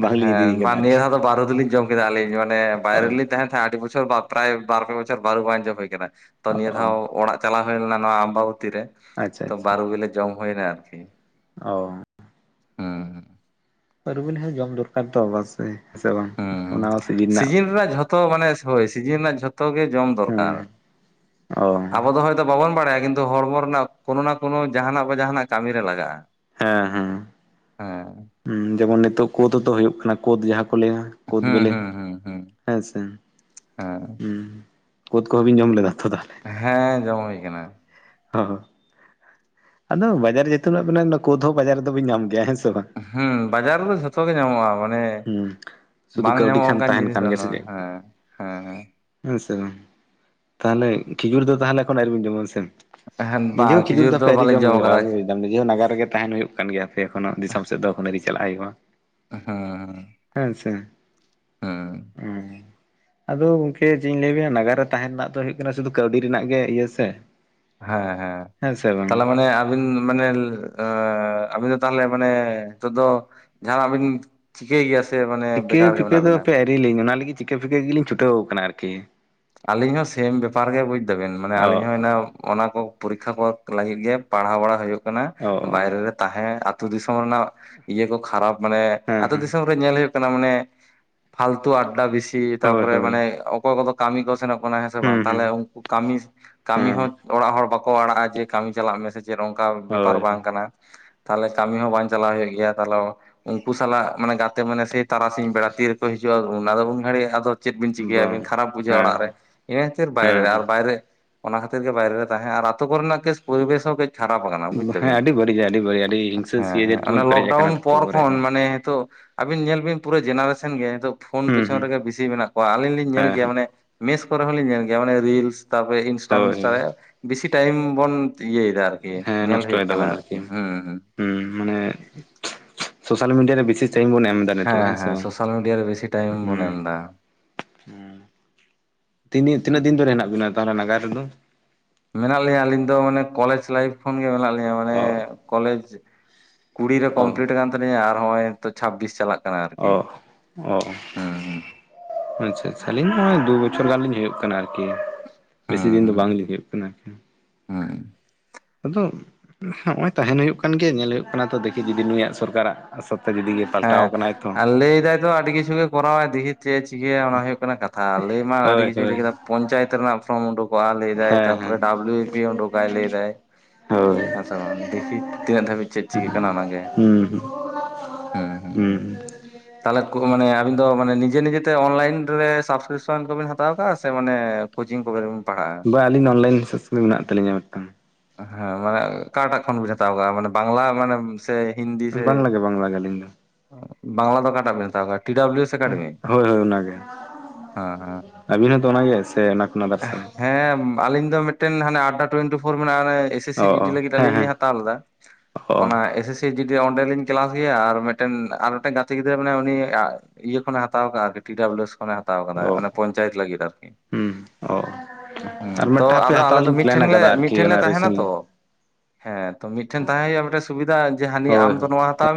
S1: ᱵᱟᱝᱞᱤᱧ
S2: ᱦᱮᱸ
S1: ᱤᱫᱤ
S2: ᱵᱟᱝ
S1: ᱠᱟᱫᱟ
S2: ᱱᱤᱭᱟᱹ
S1: ᱟᱨᱠᱤ
S2: ᱫᱷᱟᱣ ᱫᱚ ᱵᱟᱨᱩ ᱫᱚᱞᱤᱧ ᱡᱚᱢ ᱠᱮᱫᱟ ᱟᱹᱞᱤᱧ ᱢᱟᱱᱮ ᱵᱟᱭᱨᱮ
S1: ᱚ
S2: ᱨᱮᱞᱤᱧ ᱛᱟᱦᱮᱱ ᱛᱟᱦᱮᱸᱫ ᱟᱹᱰᱤ ᱢᱚ ᱪᱷᱚ ᱵᱟᱯᱨᱟᱭ ᱵᱟᱨ ᱯᱮ ᱵᱚᱪᱷᱚᱨ ᱵᱟᱨᱩ ᱵᱟᱝ ᱡᱚᱢ ᱦᱩᱭ ᱟᱠᱟᱱᱟ ᱛᱚ ᱱᱤᱭᱟᱹ
S1: ᱚ
S2: ᱚᱲᱟᱜ ᱪᱟᱞᱟᱣ ᱦᱩᱭ ᱞᱮᱱᱟ ᱱᱚᱣᱟ ᱟᱢᱵᱟᱵᱚᱛᱤ ᱨᱮ ᱛᱚ
S1: ᱟᱪᱪᱷᱟ ᱟᱪᱪᱷᱟ
S2: ᱵᱟᱨᱩ ᱵᱤᱞᱮ ᱡᱚᱢ ᱦᱩᱭᱱᱟ ᱟᱨᱠᱤ
S1: ᱚ
S2: ᱦᱮᱸ ᱦᱮᱸᱜ
S1: ᱟᱨ ᱵᱤᱱ ᱦᱚᱸ ᱡᱚᱢ ᱫᱚᱨᱠᱟᱨ ᱛᱚ ᱵᱟᱥ ᱮᱸ ᱦᱮᱸ ᱥᱮ ᱵᱟᱝ
S2: ᱦᱮᱸ
S1: ᱚᱱᱟ ᱦᱚᱸ
S2: ᱥᱤᱡᱤᱱ ᱨᱮᱱᱟᱜ ᱡᱷᱚᱛᱚ ᱢᱟᱱᱮ ᱦᱳᱭ ᱥᱤᱡᱤᱱ ᱨᱮᱱᱟᱜ ᱡᱷᱚᱛᱚ ᱜᱮ ᱡᱚᱢ ᱫᱚᱨᱠᱟᱨ
S1: ᱦᱮᱸ ᱚ
S2: ᱟᱵᱚ ᱫᱚ ᱦᱚᱭᱛᱳ ᱵᱟᱵᱚᱱ ᱵᱟᱲᱟᱭᱟ, ᱠᱤᱱᱛᱩ ᱦᱚᱲᱢᱚ ᱨᱮᱱᱟᱜ ᱠᱳᱱᱳ ᱱᱟ ᱠᱳᱱᱳ ᱡᱟᱦᱟᱸᱱᱟᱜ ᱵᱟ ᱡᱟᱦᱟᱸᱱᱟᱜ ᱠᱟᱹᱢᱤ ᱨᱮ ᱞᱟᱜᱟᱜᱼᱟ᱾
S1: ᱦᱮᱸ ᱦᱮᱸ
S2: ᱦᱮᱸ
S1: ᱡᱮᱢᱚᱱ ᱱᱤᱛᱚᱜ ᱠᱳᱫᱽ ᱦᱚᱸᱛᱚ ᱦᱩᱭᱩᱜ ᱠᱟᱱᱟ ᱠᱳᱫ ᱡᱟᱦᱟᱸ ᱠᱚ ᱞᱟᱹᱭᱟ, ᱠᱳᱫ
S2: ᱦᱩᱸ
S1: ᱵᱮᱞᱮ
S2: ᱦᱩᱸ ᱦᱩᱸ ᱦᱩᱸ
S1: ᱦᱮᱸᱥᱮ?
S2: ᱦᱮᱸ
S1: ᱩᱸ ᱠᱳᱫ ᱠᱚᱦᱚᱸ ᱵᱤᱱ ᱡᱚᱢ ᱞᱮᱫᱟ ᱛᱚ ᱛᱟᱦᱚᱞᱮ?
S2: ᱦᱮᱸ ᱡᱚᱢ ᱦᱩᱭ ᱠᱟᱱᱟ᱾
S1: ᱦᱚ ᱟᱫᱚ ᱵᱟᱡᱟᱨ ᱡᱚᱛᱚᱱᱟᱜ ᱢᱮᱱᱟᱜᱼᱟ ᱠᱳᱫ ᱦᱚᱸ ᱵᱟᱡᱟᱨ ᱨᱮᱫᱚ ᱵᱤᱱ ᱧᱟᱢ ᱜᱮᱭᱟ ᱦᱮᱸᱥᱮ ᱵᱟᱝ?
S2: ᱦᱩᱸ ᱵᱟᱡᱟᱨ ᱨᱮᱫᱚ ᱡᱷᱚᱛᱚ ᱜᱮ ᱧᱟᱢᱚᱜᱼᱟ, ᱢᱟᱱᱮ
S1: ᱦᱩᱸ ᱥᱩᱫᱷᱩ
S2: ᱵᱟᱝ
S1: ᱠᱟᱹᱣᱰᱤ
S2: ᱧᱟᱢᱚᱜ
S1: ᱠᱷᱟᱱ
S2: ᱚᱱᱠᱟᱱ
S1: ᱛᱟᱦᱮᱱ
S2: ᱡᱤᱱᱤᱥ
S1: ᱠᱷᱟᱱ ᱜᱮ ᱥᱮ
S2: ᱵᱟᱹᱱᱩᱜᱼᱟ
S1: ᱪᱮᱫ
S2: ᱦᱮᱸ ᱦᱮᱸ ᱦᱮᱸ᱾
S1: ᱦᱮᱸ ᱥᱮ ᱵᱟᱝ ᱛᱟᱦᱚᱞᱮ ᱠᱷᱤᱡᱩᱨ ᱫᱚ ᱛᱟᱦᱚᱞᱮᱠᱷᱚᱱ ᱟᱹᱣᱨᱤᱵᱤᱱ ᱡᱚᱢᱟ ᱦᱮᱸᱥᱮ?
S2: ᱦᱮᱸ
S1: ᱱᱤᱡᱮ
S2: ᱵᱟᱝ
S1: ᱦᱚᱸ ᱠᱷᱤᱡᱩᱨ ᱫᱚ ᱦᱟᱯᱮ ᱟᱣᱨᱤᱨᱤ
S2: ᱵᱟᱞᱮ
S1: ᱡᱚᱢ ᱦᱩᱭᱩᱜᱼᱟ
S2: ᱟᱠᱟᱫᱟ
S1: ᱵᱩᱡ᱾ ᱱᱤᱡᱷᱮ ᱱᱟᱜᱟᱨ ᱨᱮᱜᱮ ᱛᱟᱦᱮᱸᱱ ᱦᱩᱭᱩᱜ ᱠᱟᱱ ᱜᱮᱭᱟ ᱥᱮ ᱮᱠᱷᱚᱱᱳ ᱫᱤᱥᱚᱢ ᱥᱮᱫ ᱫᱚ ᱦᱩᱱᱟᱹ ᱟᱣᱨᱤ ᱪᱟᱞᱟᱜ ᱦᱩᱭᱩᱜᱼᱟ᱾
S2: ᱦᱮᱸ᱾
S1: ᱦᱮᱸᱥᱮ ᱚ᱾ ᱟᱫᱚ ᱜᱚᱝᱠᱮ ᱪᱮᱫ ᱤᱧ ᱞᱟᱹᱭᱟᱵᱮᱱᱟ ᱱᱟᱜᱟᱨ ᱨᱮ ᱛᱟᱦᱮᱸᱱ ᱨᱮᱱᱟᱜ ᱫᱚ ᱦᱩᱭᱩᱜ ᱠᱟᱱᱟ ᱥᱩᱫᱩ ᱠᱟᱹᱣᱰᱤ ᱨᱮᱱᱟᱜ ᱜᱮ ᱤᱭᱟᱹ ᱥᱮ?
S2: ᱦᱮᱸ ᱦᱮᱸ
S1: ᱥᱮ ᱵᱟᱝ
S2: ᱛᱟᱦᱞᱮ ᱢᱟᱱᱮ ᱟᱹᱵᱤᱱ ᱢᱟᱱᱮ ᱟᱹᱵᱤᱱ ᱫᱚ ᱛᱟᱦᱚᱞᱮ ᱢᱟᱱᱮ ᱱᱤᱛᱚᱜ ᱫᱚ ᱡᱟᱦᱟᱸᱱᱟᱜ ᱵᱤᱱ ᱪᱤᱠᱟᱹᱭ ᱜᱮᱭᱟ ᱥᱮ ᱢᱟᱱᱮ
S1: ᱪᱤᱠᱟᱹ
S2: ᱵᱮᱠᱟᱨ ᱜᱮ
S1: ᱯᱤᱠᱟᱹ
S2: ᱢᱮᱱᱟᱜ ᱵᱤᱱᱟ?
S1: [unintelligible] ᱞᱤᱧ ᱚᱱᱟ ᱞᱟᱹᱜᱤᱫ ᱪᱤᱠᱟᱹ ᱯᱷᱤᱠᱟᱹ ᱜᱮᱞᱤᱧ ᱪᱷᱩᱟᱹᱣ ᱠᱟᱱᱟ ᱟᱨᱠᱤ᱾
S2: ᱟᱹᱞᱤᱧ ᱦᱚᱸ ᱥᱮᱢ ᱵᱮᱯᱟᱨ ᱜᱮ ᱵᱩᱡ ᱫᱟᱹᱵᱤᱱ ᱢᱟᱱᱮ
S1: ᱚ
S2: ᱟᱞᱤᱧ ᱦᱚᱸ ᱚᱱᱟᱠᱚ ᱯᱚᱨᱤᱠᱠᱷᱟ ᱠᱚ ᱞᱟᱹᱜᱤᱫ ᱜᱮ ᱯᱟᱲᱦᱟᱣ ᱵᱟᱲᱟ ᱦᱩᱭᱩᱜ ᱠᱟᱱᱟ,
S1: ᱚ ᱚ
S2: ᱵᱟᱭᱨᱮ ᱨᱮ ᱛᱟᱦᱮᱸ ᱟᱹᱛᱩ ᱫᱤᱥᱚᱢ ᱨᱮᱱᱟᱜ ᱤᱭᱟᱹ ᱠᱚ ᱠᱷᱟᱨᱟᱯ ᱢᱟᱱᱮ
S1: ᱦᱮᱸ
S2: ᱟᱛᱳ
S1: ᱦᱮᱸ
S2: ᱫᱤᱥᱚᱢ ᱨᱮ ᱧᱮᱞ ᱦᱩᱭᱩᱜ ᱠᱟᱱᱟ ᱢᱟᱱᱮ ᱯᱷᱟᱞᱛᱩ ᱟᱰᱰᱟ ᱵᱮᱥᱤ
S1: ᱦᱳᱭ
S2: ᱛᱟᱨᱯᱚᱨᱮ
S1: ᱦᱳᱭ
S2: ᱢᱟᱱᱮ ᱚᱠᱚᱭ ᱠᱚᱫᱚ ᱠᱟᱹᱢᱤ ᱠᱚ ᱥᱮᱱᱚᱜ ᱠᱟᱱᱟ ᱥᱮ
S1: ᱦᱩᱸ
S2: ᱵᱟᱝ,
S1: ᱦᱩᱸ
S2: ᱛᱟᱦᱚᱞᱮ ᱩᱝᱠᱩ ᱠᱟᱹᱢᱤ ᱠᱟᱹᱢᱤ
S1: ᱦᱮᱸ
S2: ᱦᱚᱸ ᱚᱲᱟᱜ ᱦᱚᱲ ᱵᱟᱠᱚ ᱟᱲᱟᱜᱼᱟ ᱡᱮ ᱠᱟᱹᱢᱤ ᱪᱟᱞᱟᱜ ᱢᱮᱥᱮ ᱡᱮ ᱚᱱᱠᱟ
S1: ᱦᱳᱭ
S2: ᱵᱮᱯᱟᱨ ᱵᱟᱝ
S1: ᱦᱳᱭ
S2: ᱠᱟᱱᱟ ᱛᱟᱦᱚᱞᱮ ᱠᱟᱹᱢᱤ ᱦᱚᱸ ᱵᱟᱝ ᱪᱟᱞᱟᱣ ᱦᱩᱭᱩᱜ ᱜᱮᱭᱟ ᱛᱟᱦᱚᱞᱮ ᱩᱱᱠᱩ ᱥᱟᱞᱟᱜ ᱢᱟᱱᱮ ᱜᱟᱛᱮ ᱢᱟᱱᱮ ᱥᱮᱭ ᱛᱟᱨᱟᱥᱤᱧ ᱵᱮᱲᱟ ᱛᱤᱨᱮᱠᱚ ᱦᱤᱡᱩᱜᱼᱟ ᱚᱱᱟ ᱫᱚ ᱵᱟᱝ ᱜᱷᱟᱲᱤᱜᱼᱟ ᱟᱫᱚ ᱪᱮᱫ ᱵᱤᱱ ᱪᱤᱠᱟᱹᱭᱟ ᱟᱵᱤᱱ
S1: ᱵᱟᱝ
S2: ᱠᱷᱟᱨᱟᱯ ᱵᱩᱡᱷᱟᱹᱼᱟ
S1: ᱦᱮᱸ
S2: ᱚᱲᱟᱜ ᱨᱮ ᱤᱱᱟ ᱠᱷᱟᱹᱛᱤᱨ ᱵᱟᱭᱨᱮ
S1: ᱦᱮᱸ
S2: ᱟᱨ ᱵᱟᱭᱨᱮ ᱚᱱᱟ ᱠᱷᱟᱹᱛᱤᱨ ᱜᱮ ᱵᱟᱭᱨᱮ ᱨᱮ ᱛᱟᱦᱮᱸ ᱟᱨ ᱟᱛᱳ ᱠᱚᱨᱮᱱᱟᱜ ᱯᱚᱨᱵᱮᱥ ᱦᱚᱸ ᱠᱟᱹᱡ ᱠᱷᱟᱨᱟᱯ ᱟᱠᱟᱱᱟ ᱵᱩᱡ
S1: ᱦᱮᱸ ᱦᱮᱸ
S2: ᱫᱟᱹᱵᱤᱱ
S1: ᱟᱹᱰᱤ ᱵᱟᱹᱲᱤᱡᱟ ᱟᱹᱰᱤ ᱵᱟᱹᱲᱤᱡ ᱟᱹᱰᱤ ᱦᱤᱝᱥᱟᱹ
S2: ᱦᱮᱸ
S1: ᱥᱤᱭᱟᱹᱡᱟᱹᱨ
S2: ᱦᱮᱸ
S1: ᱛᱮᱵᱚᱱ
S2: ᱚᱱᱟᱮ
S1: ᱯᱮᱨᱮᱡ ᱟᱠᱟᱱᱟ
S2: ᱞᱚᱠᱰᱟᱣᱩᱱ
S1: ᱛᱚ
S2: ᱯᱚᱨ
S1: ᱠᱚᱨᱮ
S2: ᱠᱷᱚᱱ
S1: ᱦᱚᱸ
S2: ᱢᱟᱱᱮ ᱦᱤᱛᱳᱜ ᱟᱹᱵᱤᱱ ᱧᱮᱞ ᱵᱤᱱ ᱯᱩᱨᱟᱹ ᱡᱮᱱᱟᱨᱮᱥᱮᱱ ᱜᱮ ᱱᱤᱛᱚᱜ ᱯᱷᱳᱱ
S1: ᱦᱩᱸ
S2: ᱯᱮᱪᱷᱚᱱ
S1: ᱦᱩᱸ
S2: ᱨᱮᱜᱮ ᱵᱤᱥᱤ ᱢᱮᱱᱟᱜ ᱠᱚᱣᱟ, ᱟᱹᱞᱤᱧ ᱞᱤᱧ ᱧᱮᱞ ᱜᱮᱭᱟ
S1: ᱦᱮᱸ
S2: ᱢᱟᱱᱮ ᱢᱮᱥ ᱠᱚᱨᱮ ᱦᱚᱸᱞᱤᱧ ᱧᱮᱞ ᱜᱮᱭᱟ ᱢᱟᱱᱮ ᱨᱤᱞᱥ ᱛᱟᱨᱯᱚᱨᱮ ᱤᱱᱥᱴᱟ
S1: ᱦᱳᱭ
S2: ᱢᱤᱱᱥᱴᱟ ᱨᱮ ᱵᱤᱥᱤ ᱴᱟᱭᱤᱢ ᱵᱚᱱ ᱤᱭᱟᱹᱭᱫᱟ ᱟᱨᱠᱤ
S1: ᱦᱮᱸ
S2: ᱧᱮᱞ ᱦᱩᱭᱩᱜ
S1: ᱱᱚᱥᱴᱚᱭ
S2: ᱠᱟᱱᱟ
S1: ᱫᱟᱵᱚᱱ
S2: ᱟᱨᱠᱤ ᱦᱩᱸ ᱦᱩᱸ᱾
S1: ᱦᱩᱸ ᱢᱟᱱᱮ ᱥᱳᱥᱟᱞ ᱢᱤᱰᱤᱭᱟ ᱨᱮ ᱵᱮᱥᱤ [unintelligible] ᱵᱚᱱ ᱮᱢᱫᱟ
S2: ᱦᱮᱸ
S1: ᱱᱤᱛᱚᱜ ᱦᱮᱸᱥᱮ
S2: ᱦᱮᱸ
S1: ᱵᱟᱝ
S2: ᱥᱳᱥᱟᱞ ᱢᱤᱰᱤᱭᱟ ᱨᱮ ᱵᱮᱥᱤ ᱴᱟᱭᱤᱢ ᱵᱚᱱ
S1: ᱦᱩᱸ᱾
S2: ᱮᱢ ᱮᱫᱟ
S1: ᱩᱸ ᱛᱤᱱ
S2: ᱦᱩᱸ
S1: ᱛᱤᱱᱟᱹᱜ ᱫᱤᱱ ᱫᱷᱚᱨ ᱦᱮᱱᱟᱜ ᱵᱤᱱᱟ ᱛᱟᱦᱞᱮ ᱱᱟᱜᱟᱨ ᱨᱮᱫᱚ?
S2: ᱢᱮᱱᱟᱜ ᱞᱤᱧᱟᱹ ᱟᱹᱞᱤᱧ ᱫᱚ ᱢᱟᱱᱮ ᱠᱚᱞᱮᱡᱽ ᱞᱟᱭᱤᱯᱷ ᱠᱷᱚᱱᱜᱮ ᱢᱮᱱᱟᱜ ᱞᱤᱧᱟ ᱢᱟᱱᱮ
S1: ᱚ
S2: ᱠᱚᱞᱮᱡᱽ ᱠᱩᱲᱤ ᱨᱮ
S1: ᱚ
S2: ᱠᱚᱢᱯᱞᱤᱴ ᱠᱟᱱ ᱛᱟᱹᱞᱤᱧᱟ ᱟᱨ ᱦᱚᱸᱜᱼᱚᱭ ᱱᱤᱛᱳ ᱪᱷᱟᱵᱵᱤᱥ ᱪᱟᱞᱟᱜ ᱠᱟᱱᱟ ᱟᱨᱠᱤ
S1: ᱚᱜ ᱚ᱾
S2: ᱦᱩᱸ ᱦᱩᱸ
S1: ᱟᱪᱪᱷᱟ ᱟᱪᱪᱷᱟ ᱟᱹᱞᱤᱧ ᱫᱚ ᱫᱩ ᱵᱚᱪᱷᱚᱨ ᱜᱟᱱ ᱞᱤᱧ ᱦᱩᱭᱩᱜ ᱠᱟᱱᱟ ᱟᱨᱠᱤ᱾
S2: ᱦᱩᱸ
S1: ᱵᱮᱥᱤ ᱫᱤᱱ ᱫᱚ ᱵᱟᱝ
S2: ᱦᱩᱸ
S1: ᱞᱤᱧ ᱦᱩᱭᱩᱜ ᱠᱟᱱᱟ ᱟᱠᱷᱟᱱ᱾
S2: ᱦᱩᱸ
S1: ᱟᱫᱚ ᱦᱚᱸᱜᱼᱚᱭ ᱛᱟᱦᱮᱸᱱ ᱦᱩᱭᱩᱜ ᱠᱟᱱ ᱜᱮᱭᱟ ᱧᱮᱞ ᱦᱩᱭᱩᱜ ᱠᱟᱱᱟ ᱛᱚ ᱫᱮᱠᱷᱤ ᱡᱩᱫᱤ ᱱᱩᱭᱟᱜ ᱥᱚᱨᱠᱟᱨᱟᱜ ᱥᱚᱛᱮ ᱡᱩᱫᱤ ᱜᱮ ᱯᱟᱞᱴᱟᱣ
S2: ᱦᱮᱸ
S1: ᱠᱟᱱᱟᱭ ᱛᱚ,
S2: ᱟᱨ ᱞᱟᱹᱭ ᱫᱟᱭ ᱟᱹᱰᱤ ᱠᱤᱪᱷᱩ ᱜᱮ ᱠᱚᱨᱟᱣ ᱫᱤᱛ [unintelligible] ᱪᱮᱫ ᱪᱤᱠᱟᱹᱭᱟ ᱚᱱᱟ ᱦᱩᱭᱩᱜᱜ ᱠᱟᱱᱟ ᱠᱟᱛᱷᱟ, ᱞᱟᱹᱭ ᱢᱟ ᱟᱹᱰᱤ
S1: ᱦᱳᱭ
S2: ᱠᱤᱪᱷᱩ
S1: ᱦᱳᱭ
S2: ᱞᱟᱹᱭ ᱠᱮᱫᱟ ᱯᱚᱧᱪᱟᱭᱮᱛ ᱨᱮᱱᱟᱜ ᱯᱷᱨᱚᱢ ᱩᱰᱩᱠᱚᱜᱼᱟ ᱞᱟᱹᱭᱫᱟᱭ
S1: ᱦᱮᱸ
S2: ᱛᱟᱨᱯᱮ
S1: ᱦᱮᱸ
S2: ᱰᱟᱵᱞᱩ ᱜᱤ ᱚᱸᱰᱚᱠᱟᱭ ᱞᱟᱹᱭ ᱫᱟᱭ
S1: ᱦᱳᱭ
S2: ᱦᱮᱸᱥᱮ ᱵᱟᱝ, ᱫᱮᱠᱷᱤ ᱛᱤᱱᱟᱹᱜ ᱫᱷᱟᱹᱵᱤᱡ ᱪᱮᱫ ᱪᱤᱠᱤ ᱠᱟᱱᱟ ᱚᱱᱟᱜᱮ!
S1: ᱦᱩᱸ ᱦᱩᱸ ᱾
S2: ᱦᱮᱸ ᱦᱮᱸ ᱾ ᱛᱟᱦᱚᱞᱮ ᱠᱚ ᱢᱟᱱᱮ ᱟᱵᱤᱱ ᱫᱚ ᱢᱟᱱᱮ ᱱᱤᱡᱮ ᱱᱤᱡᱮᱛᱮ ᱚᱱᱞᱟᱭᱤᱱ ᱨᱮ ᱥᱟᱵᱥᱠᱨᱤᱯᱥᱚᱱ ᱠᱚᱵᱤᱱ ᱦᱟᱛᱟᱣ ᱠᱟᱜᱼᱟ ᱥᱮ ᱢᱟᱱᱮ ᱠᱳᱪᱤᱝ ᱠᱚᱵᱮᱨᱮᱵᱮᱱ ᱯᱟᱲᱦᱟᱜᱼᱟ?
S1: ᱦᱳᱭ ᱟᱹᱞᱤᱧ ᱫᱚ ᱚᱱᱞᱟᱹᱭᱤᱱ ᱥᱟᱥᱠᱨᱤ ᱢᱮᱱᱟᱜ ᱛᱟᱹᱧᱟ ᱢᱤᱫᱴᱟᱝ ᱾
S2: ᱦᱮᱸ ᱢᱟᱱᱮ ᱟᱠᱟᱴᱟᱜ ᱠᱷᱚᱱ ᱵᱤᱱ ᱦᱟᱛᱟᱣ ᱠᱟᱜᱼᱟ ᱢᱟᱱᱮ ᱵᱟᱝᱞᱟ ᱢᱟᱱᱮ ᱥᱮ ᱦᱤᱱᱫᱤ ᱥᱮ?
S1: ᱵᱟᱝᱞᱟ ᱜᱮ ᱵᱟᱝᱞᱟ ᱜᱮ ᱟᱹᱞᱤᱧ ᱫᱚ
S2: ᱵᱟᱝᱞᱟ ᱫᱚ ᱚᱠᱟᱴᱟᱜ ᱵᱤᱱ ᱦᱟᱛᱟᱣ ᱠᱟᱫᱟ ᱴᱤ ᱰᱟᱵᱞᱩ ᱮᱥ? ᱮᱠᱟᱰᱮᱢᱤ?
S1: ᱦᱳᱭ ᱦᱳᱭ ᱚᱱᱟᱜᱮ,
S2: ᱦᱮᱸ ᱦᱮᱸ
S1: ᱟᱹᱵᱤᱱ ᱦᱚᱸᱛᱚ ᱚᱱᱟᱜᱮ ᱥᱮ ᱚᱱᱟ ᱠᱷᱚᱱᱟᱜ ᱟᱫᱟᱨᱥᱚ?
S2: ᱦᱮᱸ ᱟᱞᱤᱧ ᱫᱚ ᱢᱤᱫᱴᱮᱱ ᱦᱟᱱᱮ ᱟᱰᱰᱟ ᱴᱳᱭᱮᱱᱴᱤ ᱯᱷᱳᱨ ᱢᱮᱱᱟᱜᱼᱟ ᱮᱥ ᱮᱥ
S1: ᱚ
S2: ᱥᱤ
S1: ᱚ
S2: ᱡᱤᱰᱤ ᱞᱟᱹᱜᱤᱫ
S1: ᱦᱮᱸ
S2: ᱟᱞᱤᱧ ᱞᱤᱧ
S1: ᱦᱮᱸ
S2: ᱦᱟ ᱦᱟᱛᱟᱟᱣᱣᱟ ᱛᱟᱣ ᱞᱮᱫᱟ ᱾
S1: ᱚ
S2: ᱚᱱᱟ ᱮᱥᱮᱥ ᱥᱤ ᱡᱤᱰᱤ ᱚᱸᱰᱮᱞᱤᱧ ᱠᱞᱟᱥ ᱜᱮᱭᱟ, ᱟᱨ ᱢᱤᱫᱴᱮᱱ ᱟᱨ ᱢᱤᱫᱴᱮᱱ ᱜᱟᱛᱮ ᱜᱤᱫᱽᱨᱟᱹ ᱢᱮᱱᱟᱭᱟ ᱩᱱᱤᱭᱟᱜ ᱤᱭᱟᱹ ᱠᱷᱚᱱᱮ ᱦᱟᱛᱟᱣ ᱠᱟᱜᱼᱟ ᱟᱨᱠᱤ ᱴᱤ ᱰᱟᱵᱞᱩ ᱮᱥ ᱠᱷᱚᱱᱮ ᱦᱟᱛᱟᱣ ᱠᱟᱫᱟ
S1: ᱚ
S2: ᱚᱱᱮ ᱯᱚᱧᱪᱟᱭᱮᱛ ᱞᱟᱹᱜᱤᱫ ᱟᱨᱠᱤ
S1: ᱦᱩᱸ ᱚ
S2: ᱾ ᱦᱩᱸ
S1: ᱟᱨ
S2: ᱛᱚ
S1: ᱢᱤᱫᱴᱟᱝ ᱦᱟᱯᱮ
S2: ᱟᱫᱚ
S1: ᱦᱟᱛᱟᱣ
S2: ᱟᱞᱮ ᱫᱚ
S1: ᱞᱤᱧ ᱯᱞᱮᱱ
S2: ᱢᱤᱫᱴᱷᱮᱱ ᱞᱮ
S1: ᱟᱠᱟᱫᱟ ᱟᱨᱠᱤ
S2: ᱢᱤᱫᱴᱷᱮᱱ ᱞᱮ
S1: ᱚᱱᱟ
S2: ᱛᱟᱦᱮᱱᱟ
S1: ᱨᱤᱥᱮᱱᱴᱞᱤ
S2: ᱛᱚ ᱾ ᱦᱮᱸ ᱛᱚ ᱢᱤᱫᱴᱷᱮᱱ ᱛᱟᱦᱮᱸ ᱦᱩᱭᱩᱜᱼᱟ ᱢᱤᱫᱴᱮᱱ ᱥᱩᱵᱤᱫᱟ ᱡᱮ ᱦᱟᱹᱱᱤ ᱟᱢ
S1: ᱦᱳᱭ
S2: ᱫᱚ
S1: ᱦᱳᱭ
S2: ᱱᱚᱣᱟ ᱦᱟᱛᱟᱣ